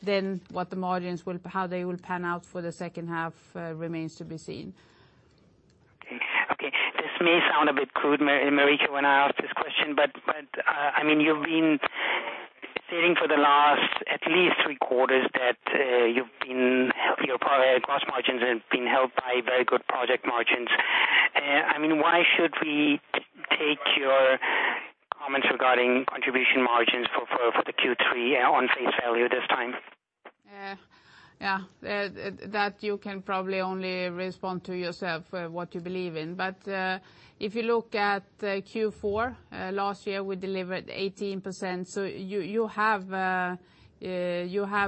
then what the margins will, how they will pan out for the second half, remains to be seen. This may sound a bit crude, Marika, when I ask this question, you've been stating for the last at least three quarters that your gross margins have been helped by very good project margins. Why should we take your comments regarding contribution margins for the Q3 on face value this time? Yeah. That you can probably only respond to yourself, what you believe in. If you look at Q4, last year, we delivered 18%. You have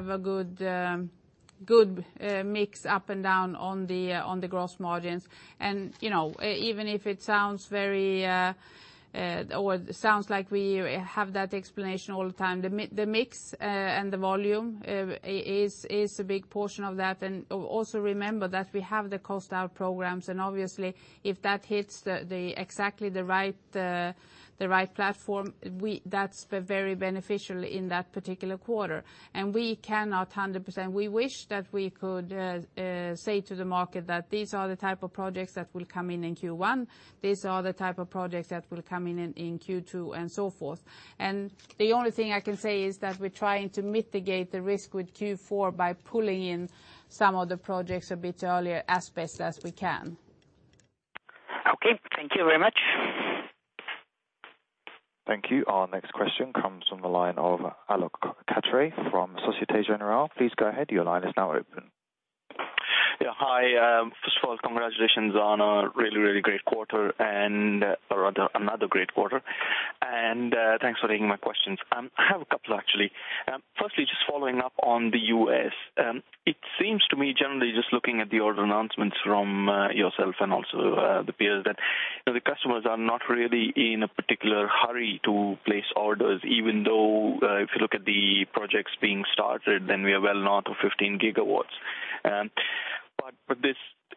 a good mix up and down on the gross margins. Even if it sounds like we have that explanation all the time, the mix, and the volume is a big portion of that. Also remember that we have the cost out programs and obviously if that hits exactly the right platform, that's very beneficial in that particular quarter. We cannot 100% we wish that we could say to the market that these are the type of projects that will come in in Q1, these are the type of projects that will come in in Q2 and so forth. The only thing I can say is that we're trying to mitigate the risk with Q4 by pulling in some of the projects a bit earlier, as best as we can. Okay. Thank you very much. Thank you. Our next question comes from the line of Alok Katre from Societe Generale. Please go ahead. Your line is now open. Yeah. Hi. First of all, congratulations on a really, really great quarter or rather, another great quarter. Thanks for taking my questions. I have a couple, actually. Firstly, just following up on the U.S. It seems to me generally just looking at the order announcements from yourself and also the peers that the customers are not really in a particular hurry to place orders, even though, if you look at the projects being started, then we are well north of 15 gigawatts.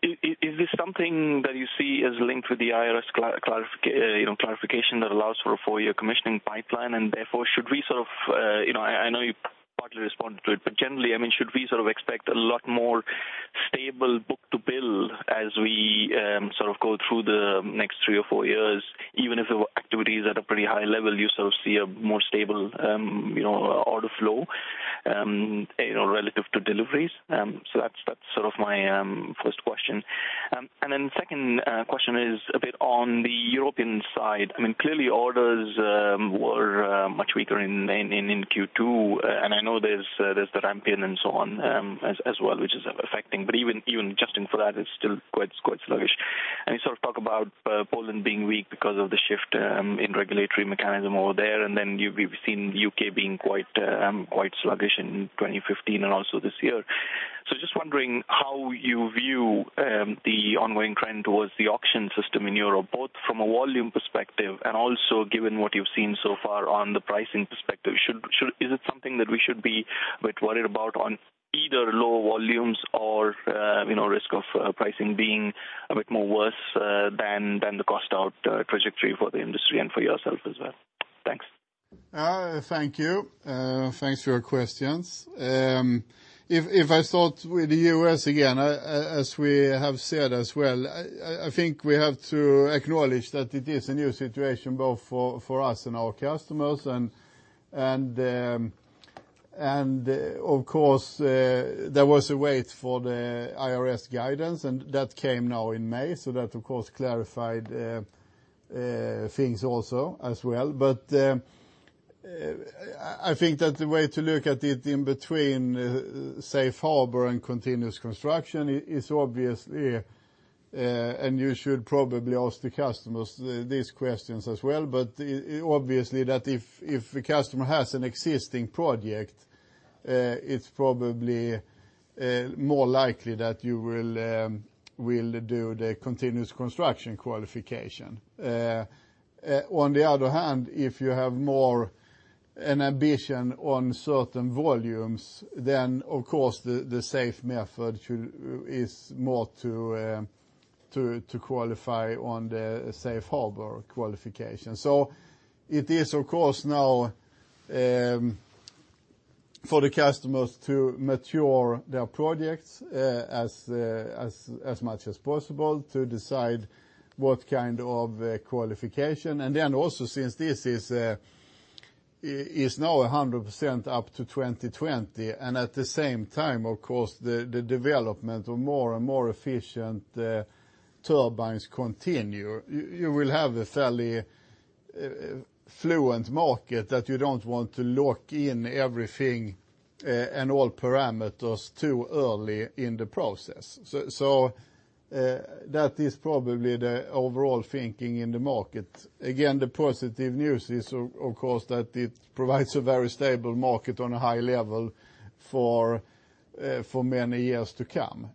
Is this something that you see as linked with the IRS clarification that allows for a four-year commissioning pipeline, therefore generally, should we sort of expect a lot more stable book-to-bill as we sort of go through the next three or four years, even if the activity is at a pretty high level, you sort of see a more stable order flow relative to deliveries? That is my first question. Second question is a bit on the European side. Clearly, orders were much weaker in Q2, and I know there is the Rampion and so on as well, which is affecting. Even adjusting for that, it is still quite sluggish. You sort of talk about Poland being weak because of the shift in regulatory mechanism over there, then we have seen U.K. being quite sluggish in 2015 and also this year. Just wondering how you view the ongoing trend towards the auction system in Europe, both from a volume perspective and also given what you have seen so far on the pricing perspective. Is it something that we should be a bit worried about on either low volumes or risk of pricing being a bit more worse than the cost out trajectory for the industry and for yourself as well? Thanks. Thank you. Thanks for your questions. If I start with the U.S. again, as we have said as well, I think we have to acknowledge that it is a new situation both for us and our customers. Of course, there was a wait for the IRS guidance, that came now in May, so that, of course, clarified things also as well. I think that the way to look at it in between safe harbor and continuous construction is obviously, you should probably ask the customers these questions as well, obviously that if a customer has an existing project, it is probably more likely that you will do the continuous construction qualification. On the other hand, if you have more an ambition on certain volumes, of course, the safe method is more to qualify on the safe harbor qualification. It is, of course, now for the customers to mature their projects as much as possible to decide what kind of qualification. Also, since this is now 100% up to 2020, at the same time, of course, the development of more and more efficient turbines continue, you do not want to lock in everything and all parameters too early in the process. That is probably the overall thinking in the market. Again, the positive news is, of course, that it provides a very stable market on a high level for many years to come.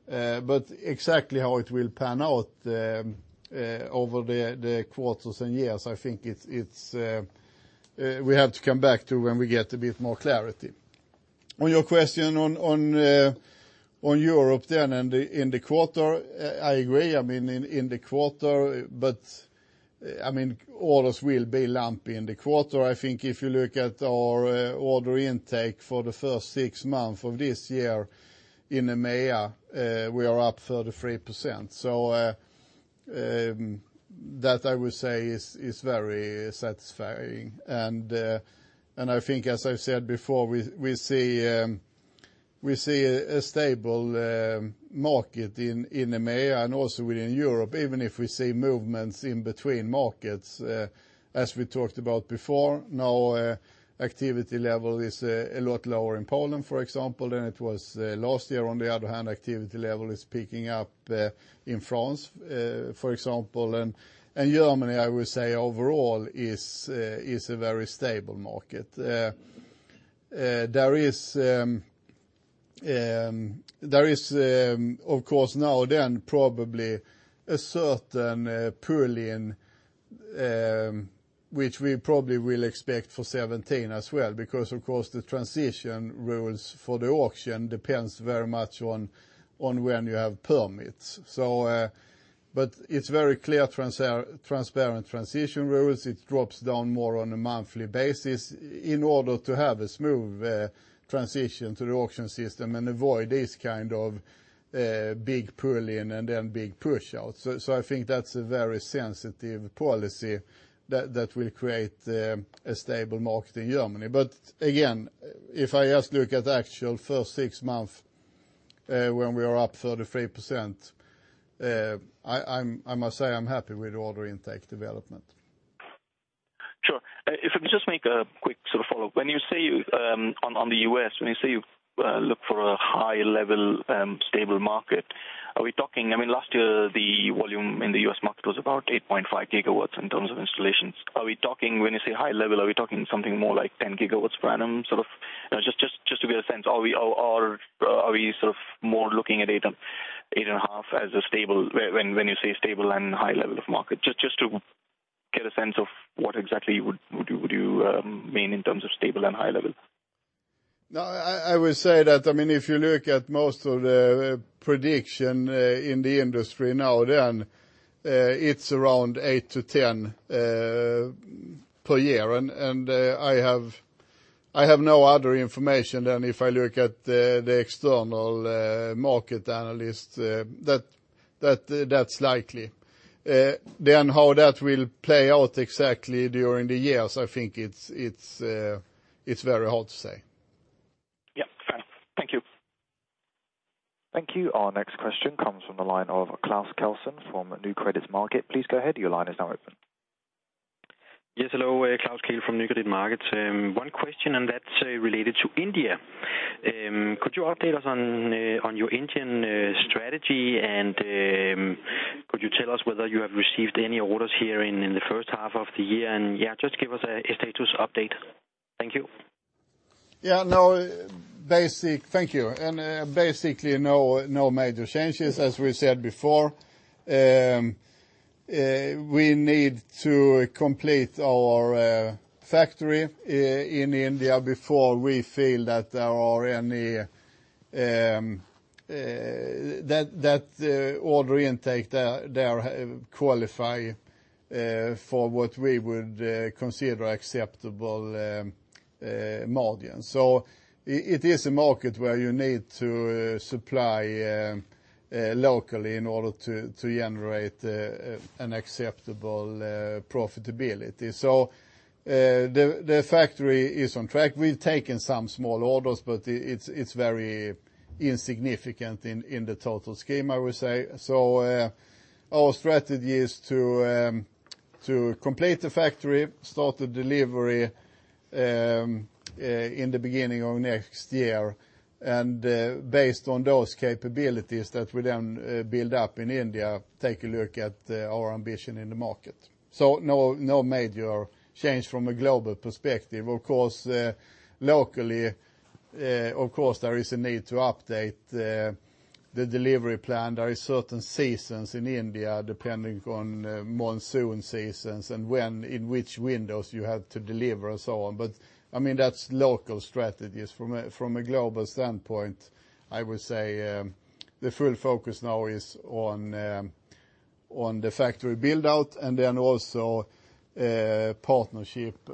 Exactly how it will pan out over the quarters and years, I think we have to come back to when we get a bit more clarity. On your question on Europe in the quarter, I agree, in the quarter. Orders will be lumpy in the quarter. If you look at our order intake for the first six months of this year in EMEA, we are up 33%. That I would say is very satisfying. As I've said before, we see a stable market in EMEA and also within Europe, even if we see movements in between markets. As we talked about before, now activity level is a lot lower in Poland, for example, than it was last year. On the other hand, activity level is picking up in France, for example. Germany, I would say, overall is a very stable market. There is, of course, now probably a certain pull-in, which we probably will expect for 2017 as well, because of course, the transition rules for the auction depend very much on when you have permits. It's very clear, transparent transition rules. It drops down more on a monthly basis in order to have a smooth transition to the auction system and avoid this kind of big pull-in and big push-out. That's a very sensitive policy that will create a stable market in Germany. Again, if I just look at the actual first six months when we are up 33%, I must say I'm happy with order intake development. Sure. If I could just make a quick sort of follow-up. On the U.S., when you say you look for a high-level, stable market, are we talking? Last year, the volume in the U.S. market was about 8.5 gigawatts in terms of installations. When you say high level, are we talking something more like 10 gigawatts per annum, sort of? Just to get a sense, are we sort of more looking at 8.5 as a stable, when you say stable and high level of market? Just to get a sense of what exactly would you mean in terms of stable and high level. No, I would say that if you look at most of the prediction in the industry now, it's around 8 to 10 per year. I have no other information than if I look at the external market analyst, that's likely. How that will play out exactly during the years, it's very hard to say. Yeah, fair. Thank you. Thank you. Our next question comes from the line of Klaus Kehl from Nykredit Markets. Please go ahead. Your line is now open. Yes, hello. Klaus Kehl from Nykredit Markets. One question. That's related to India. Could you update us on your Indian strategy, and could you tell us whether you have received any orders here in the first half of the year? Yeah, just give us a status update. Thank you. Yeah. Thank you. Basically, no major changes as we said before. We need to complete our factory in India before we feel that order intake there qualify for what we would consider acceptable margin. It is a market where you need to supply locally in order to generate an acceptable profitability. The factory is on track. We've taken some small orders, but it's very insignificant in the total scheme, I would say. Our strategy is to complete the factory, start the delivery in the beginning of next year, and based on those capabilities that we then build up in India, take a look at our ambition in the market. No major change from a global perspective. Of course, locally, there is a need to update the delivery plan. There is certain seasons in India, depending on monsoon seasons and when, in which windows you have to deliver and so on. That's local strategies. From a global standpoint, I would say, the full focus now is on the factory build-out and then also partnership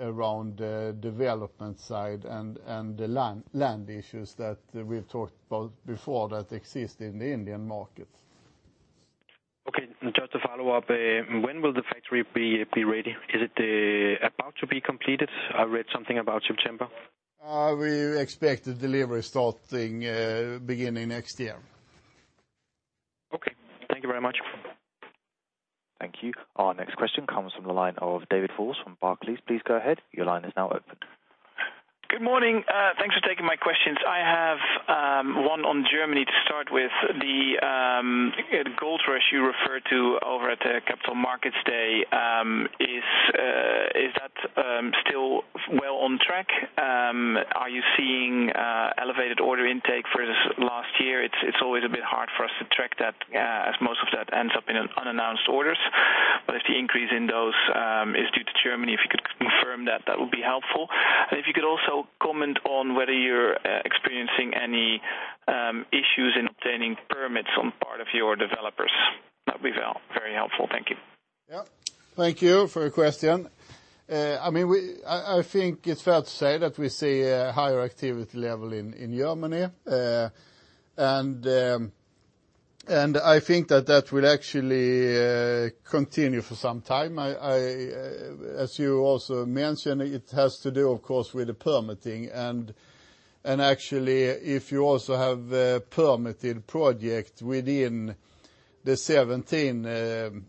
around the development side and the land issues that we've talked about before that exist in the Indian market. Okay, just to follow up, when will the factory be ready? Is it about to be completed? I read something about September. We expect the delivery beginning next year. Okay. Thank you very much. Thank you. Our next question comes from the line of David Vos from Barclays. Please go ahead. Your line is now open. Good morning. Thanks for taking my questions. I have one on Germany to start with. The gold rush you referred to over at the Capital Markets Day, is that still well on track? Are you seeing elevated order intake for this last year? It's always a bit hard for us to track that, as most of that ends up in unannounced orders. If the increase in those is due to Germany, if you could confirm that would be helpful. If you could also comment on whether you're experiencing any issues in obtaining permits on part of your developers. That'd be very helpful. Thank you. Thank you for your question. I think it's fair to say that we see a higher activity level in Germany. I think that that will actually continue for some time. As you also mentioned, it has to do, of course, with the permitting and actually, if you also have a permitted project within the 2017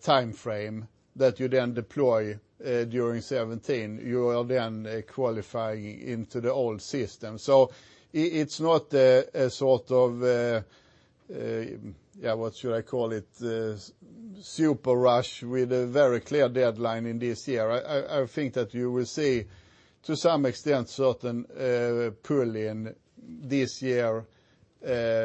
timeframe that you then deploy during 2017, you will then qualify into the old system. It's not a sort of, what should I call it, super rush with a very clear deadline in this year. I think that you will see, to some extent, certain pull in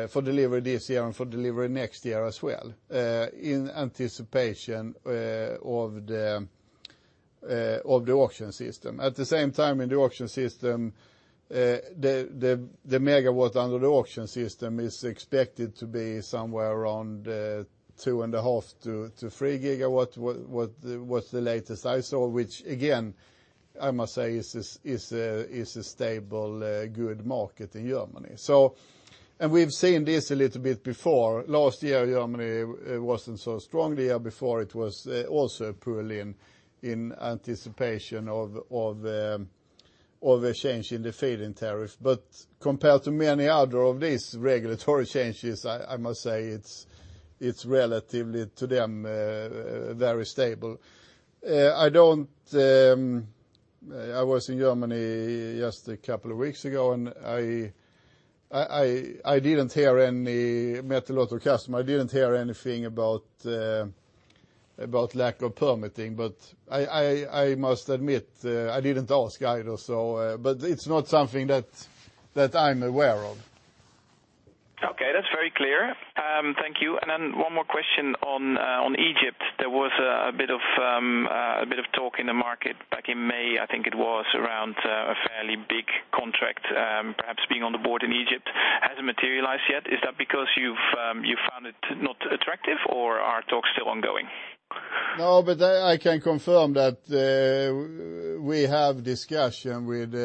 for delivery this year and for delivery next year as well, in anticipation of the auction system. At the same time in the auction system, the megawatt under the auction system is expected to be somewhere around 2.5-3 GW, was the latest I saw, which again, I must say, is a stable, good market in Germany. We've seen this a little bit before. Last year, Germany wasn't so strong. The year before it was also a pull in anticipation of a change in the feed-in tariff. Compared to many other of these regulatory changes, I must say it's relatively to them, very stable. I was in Germany just a couple of weeks ago, and I met a lot of customers. I didn't hear anything about lack of permitting, but I must admit, I didn't ask either, but it's not something that I'm aware of. Okay. That's very clear. Thank you. One more question on Egypt. There was a bit of talk in the market back in May, I think it was, around a fairly big contract perhaps being on the board in Egypt. Hasn't materialized yet. Is that because you've found it not attractive or are talks still ongoing? No, I can confirm that we have discussion with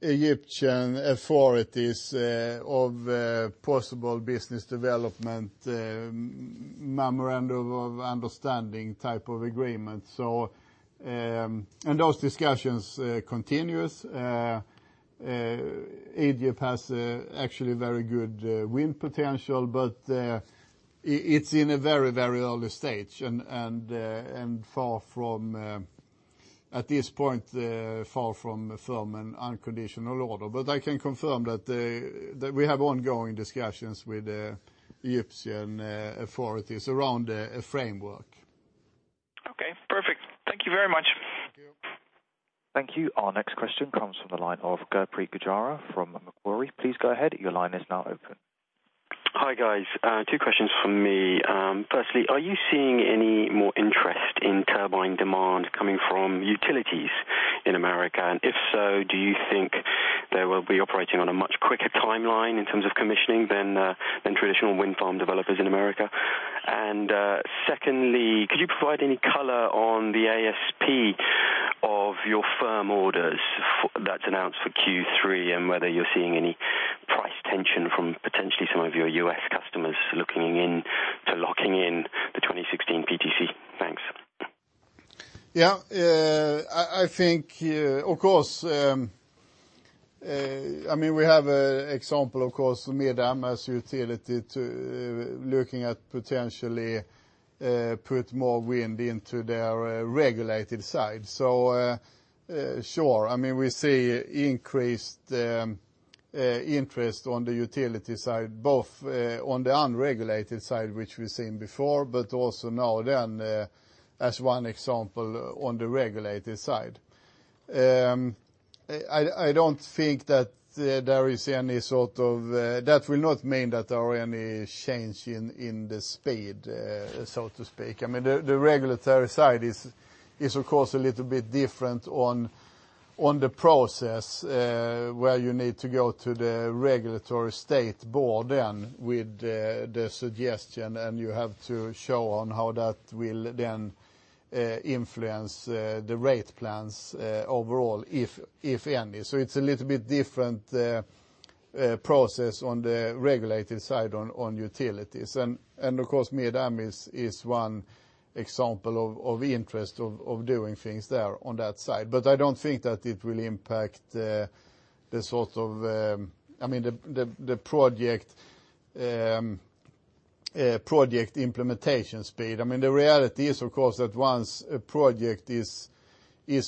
Egyptian authorities of possible business development, memorandum of understanding type of agreement. Those discussions continues. Egypt has actually very good wind potential, it's in a very early stage, and at this point, far from a firm and unconditional order. I can confirm that we have ongoing discussions with the Egyptian authorities around a framework. Okay, perfect. Thank you very much. Thank you. Thank you. Our next question comes from the line of Gurpreet Gujral from Macquarie. Please go ahead. Your line is now open. Hi, guys. Two questions from me. Firstly, are you seeing any more interest in turbine demand coming from utilities in the U.S.? If so, do you think they will be operating on a much quicker timeline in terms of commissioning than traditional wind farm developers in the U.S.? Secondly, could you provide any color on the ASP of your firm orders that's announced for Q3, and whether you're seeing any price tension from potentially some of your U.S. customers looking in to locking in the 2016 PTC? Thanks. Yeah. We have an example, of course, MidAmerican Energy looking at potentially put more wind into their regulated side. Sure. We see increased interest on the utility side, both on the unregulated side, which we've seen before, but also now as one example on the regulated side. I don't think that will not mean that there are any change in the speed, so to speak. The regulatory side is, of course, a little bit different on the process, where you need to go to the regulatory state board with the suggestion, and you have to show on how that will influence the rate plans overall, if any. So it's a little bit different process on the regulated side on utilities. Of course, MidAmerican Energy is one example of interest of doing things there on that side. I don't think that it will impact the project implementation speed. The reality is, of course, that once a project is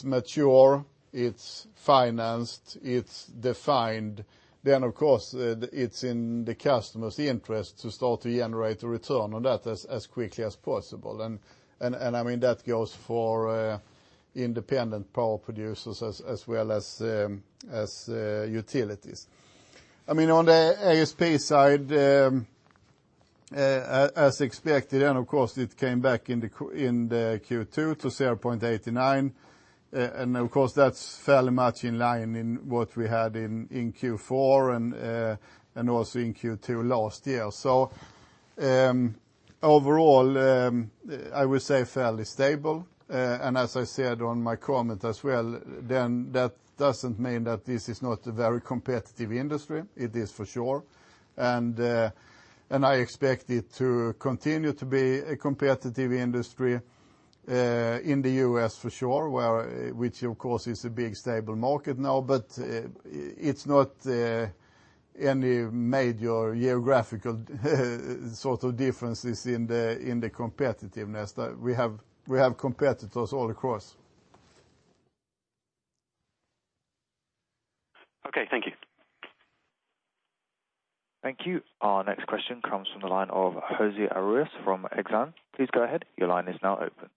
mature, it's financed, it's defined, of course, it's in the customer's interest to start to generate a return on that as quickly as possible. That goes for independent power producers as well as utilities. On the ASP side, as expected, of course, it came back in the Q2 to 0.89. Of course, that's fairly much in line in what we had in Q4 and also in Q2 last year. Overall, I would say fairly stable. As I said on my comment as well, that doesn't mean that this is not a very competitive industry. It is for sure. I expect it to continue to be a competitive industry, in the U.S. for sure, which of course is a big stable market now. It's not any major geographical sort of differences in the competitiveness that we have competitors all across. Okay, thank you. Thank you. Our next question comes from the line of Jose Arroyas from Exane. Please go ahead. Your line is now open.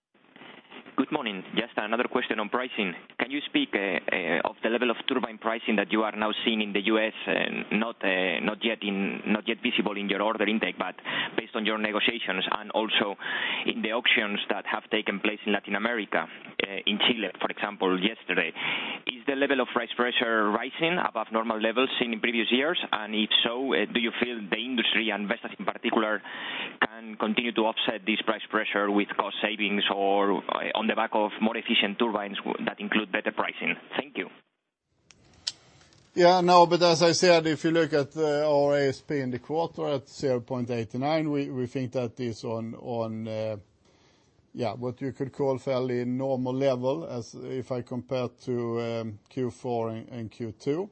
Good morning. Just another question on pricing. Can you speak of the level of turbine pricing that you are now seeing in the U.S. and not yet visible in your order intake, but based on your negotiations and also in the auctions that have taken place in Latin America, in Chile, for example, yesterday. Is the level of price pressure rising above normal levels seen in previous years? If so, do you feel the industry, and Vestas in particular, can continue to offset this price pressure with cost savings or on the back of more efficient turbines that include better pricing? Thank you. As I said, if you look at our ASP in the quarter at 0.89, we think that is on what you could call fairly normal level as if I compare to Q4 and Q2.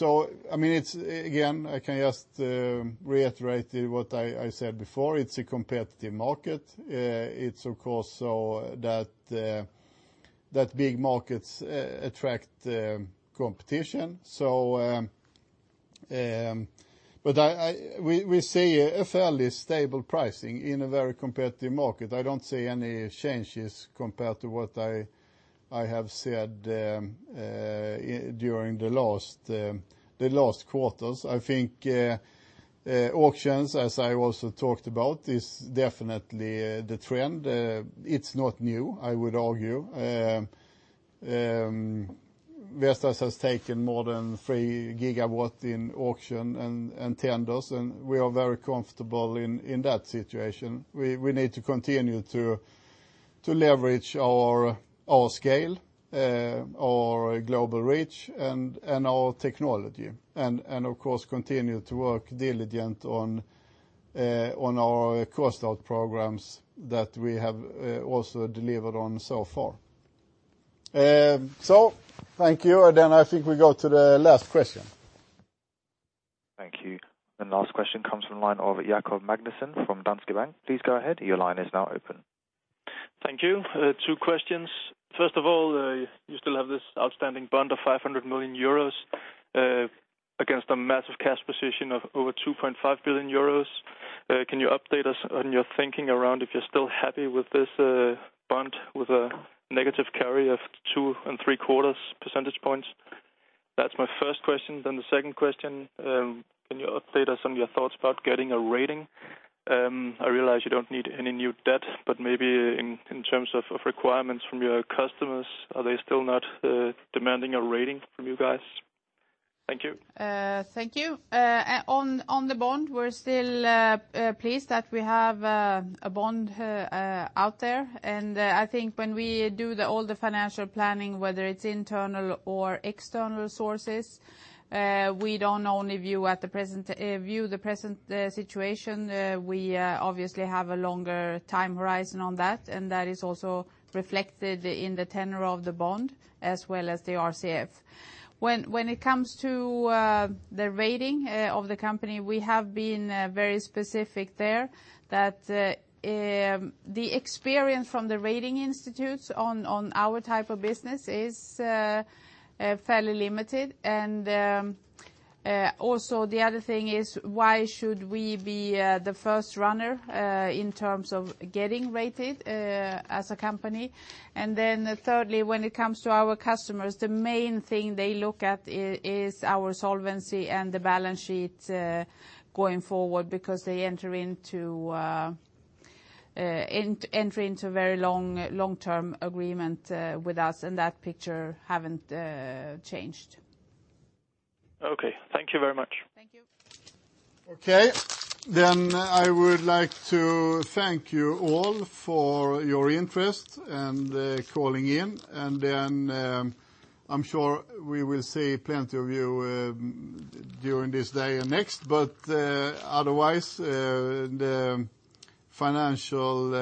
I can just reiterate what I said before. It's a competitive market. It's of course, so that big markets attract competition. We see a fairly stable pricing in a very competitive market. I don't see any changes compared to what I have said during the last quarters. I think, auctions, as I also talked about, is definitely the trend. It's not new, I would argue. Vestas has taken more than three gigawatts in auction and tenders, we are very comfortable in that situation. We need to continue to leverage our scale, our global reach, and our technology. Of course, continue to work diligently on our cost out programs that we have also delivered on so far. Thank you. I think we go to the last question. Thank you. The last question comes from the line of Jakob Magnussen from Danske Bank. Please go ahead, your line is now open. Thank you. Two questions. First of all, you still have this outstanding bond of 500 million euros against a massive cash position of over 2.5 billion euros. Can you update us on your thinking around if you're still happy with this bond, with a negative carry of two and three quarters percentage points? That's my first question. The second question, can you update us on your thoughts about getting a rating? I realize you don't need any new debt, maybe in terms of requirements from your customers, are they still not demanding a rating from you guys? Thank you. Thank you. On the bond, we're still pleased that we have a bond out there. I think when we do all the financial planning, whether it's internal or external sources, we don't only view the present situation. We obviously have a longer time horizon on that, and that is also reflected in the tenor of the bond as well as the RCF. When it comes to the rating of the company, we have been very specific there that the experience from the rating institutes on our type of business is fairly limited. Also the other thing is why should we be the first runner in terms of getting rated as a company? Thirdly, when it comes to our customers, the main thing they look at is our solvency and the balance sheet going forward because they enter into a very long-term agreement with us, and that picture hasn't changed. Okay. Thank you very much. Thank you. Okay. I would like to thank you all for your interest and calling in, I'm sure we will see plenty of you during this day and next, otherwise, the financial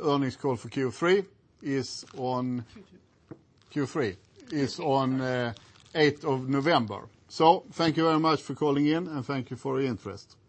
earnings call for Q3 is on. Q2 Q3 is on 8th of November. Thank you very much for calling in, and thank you for your interest.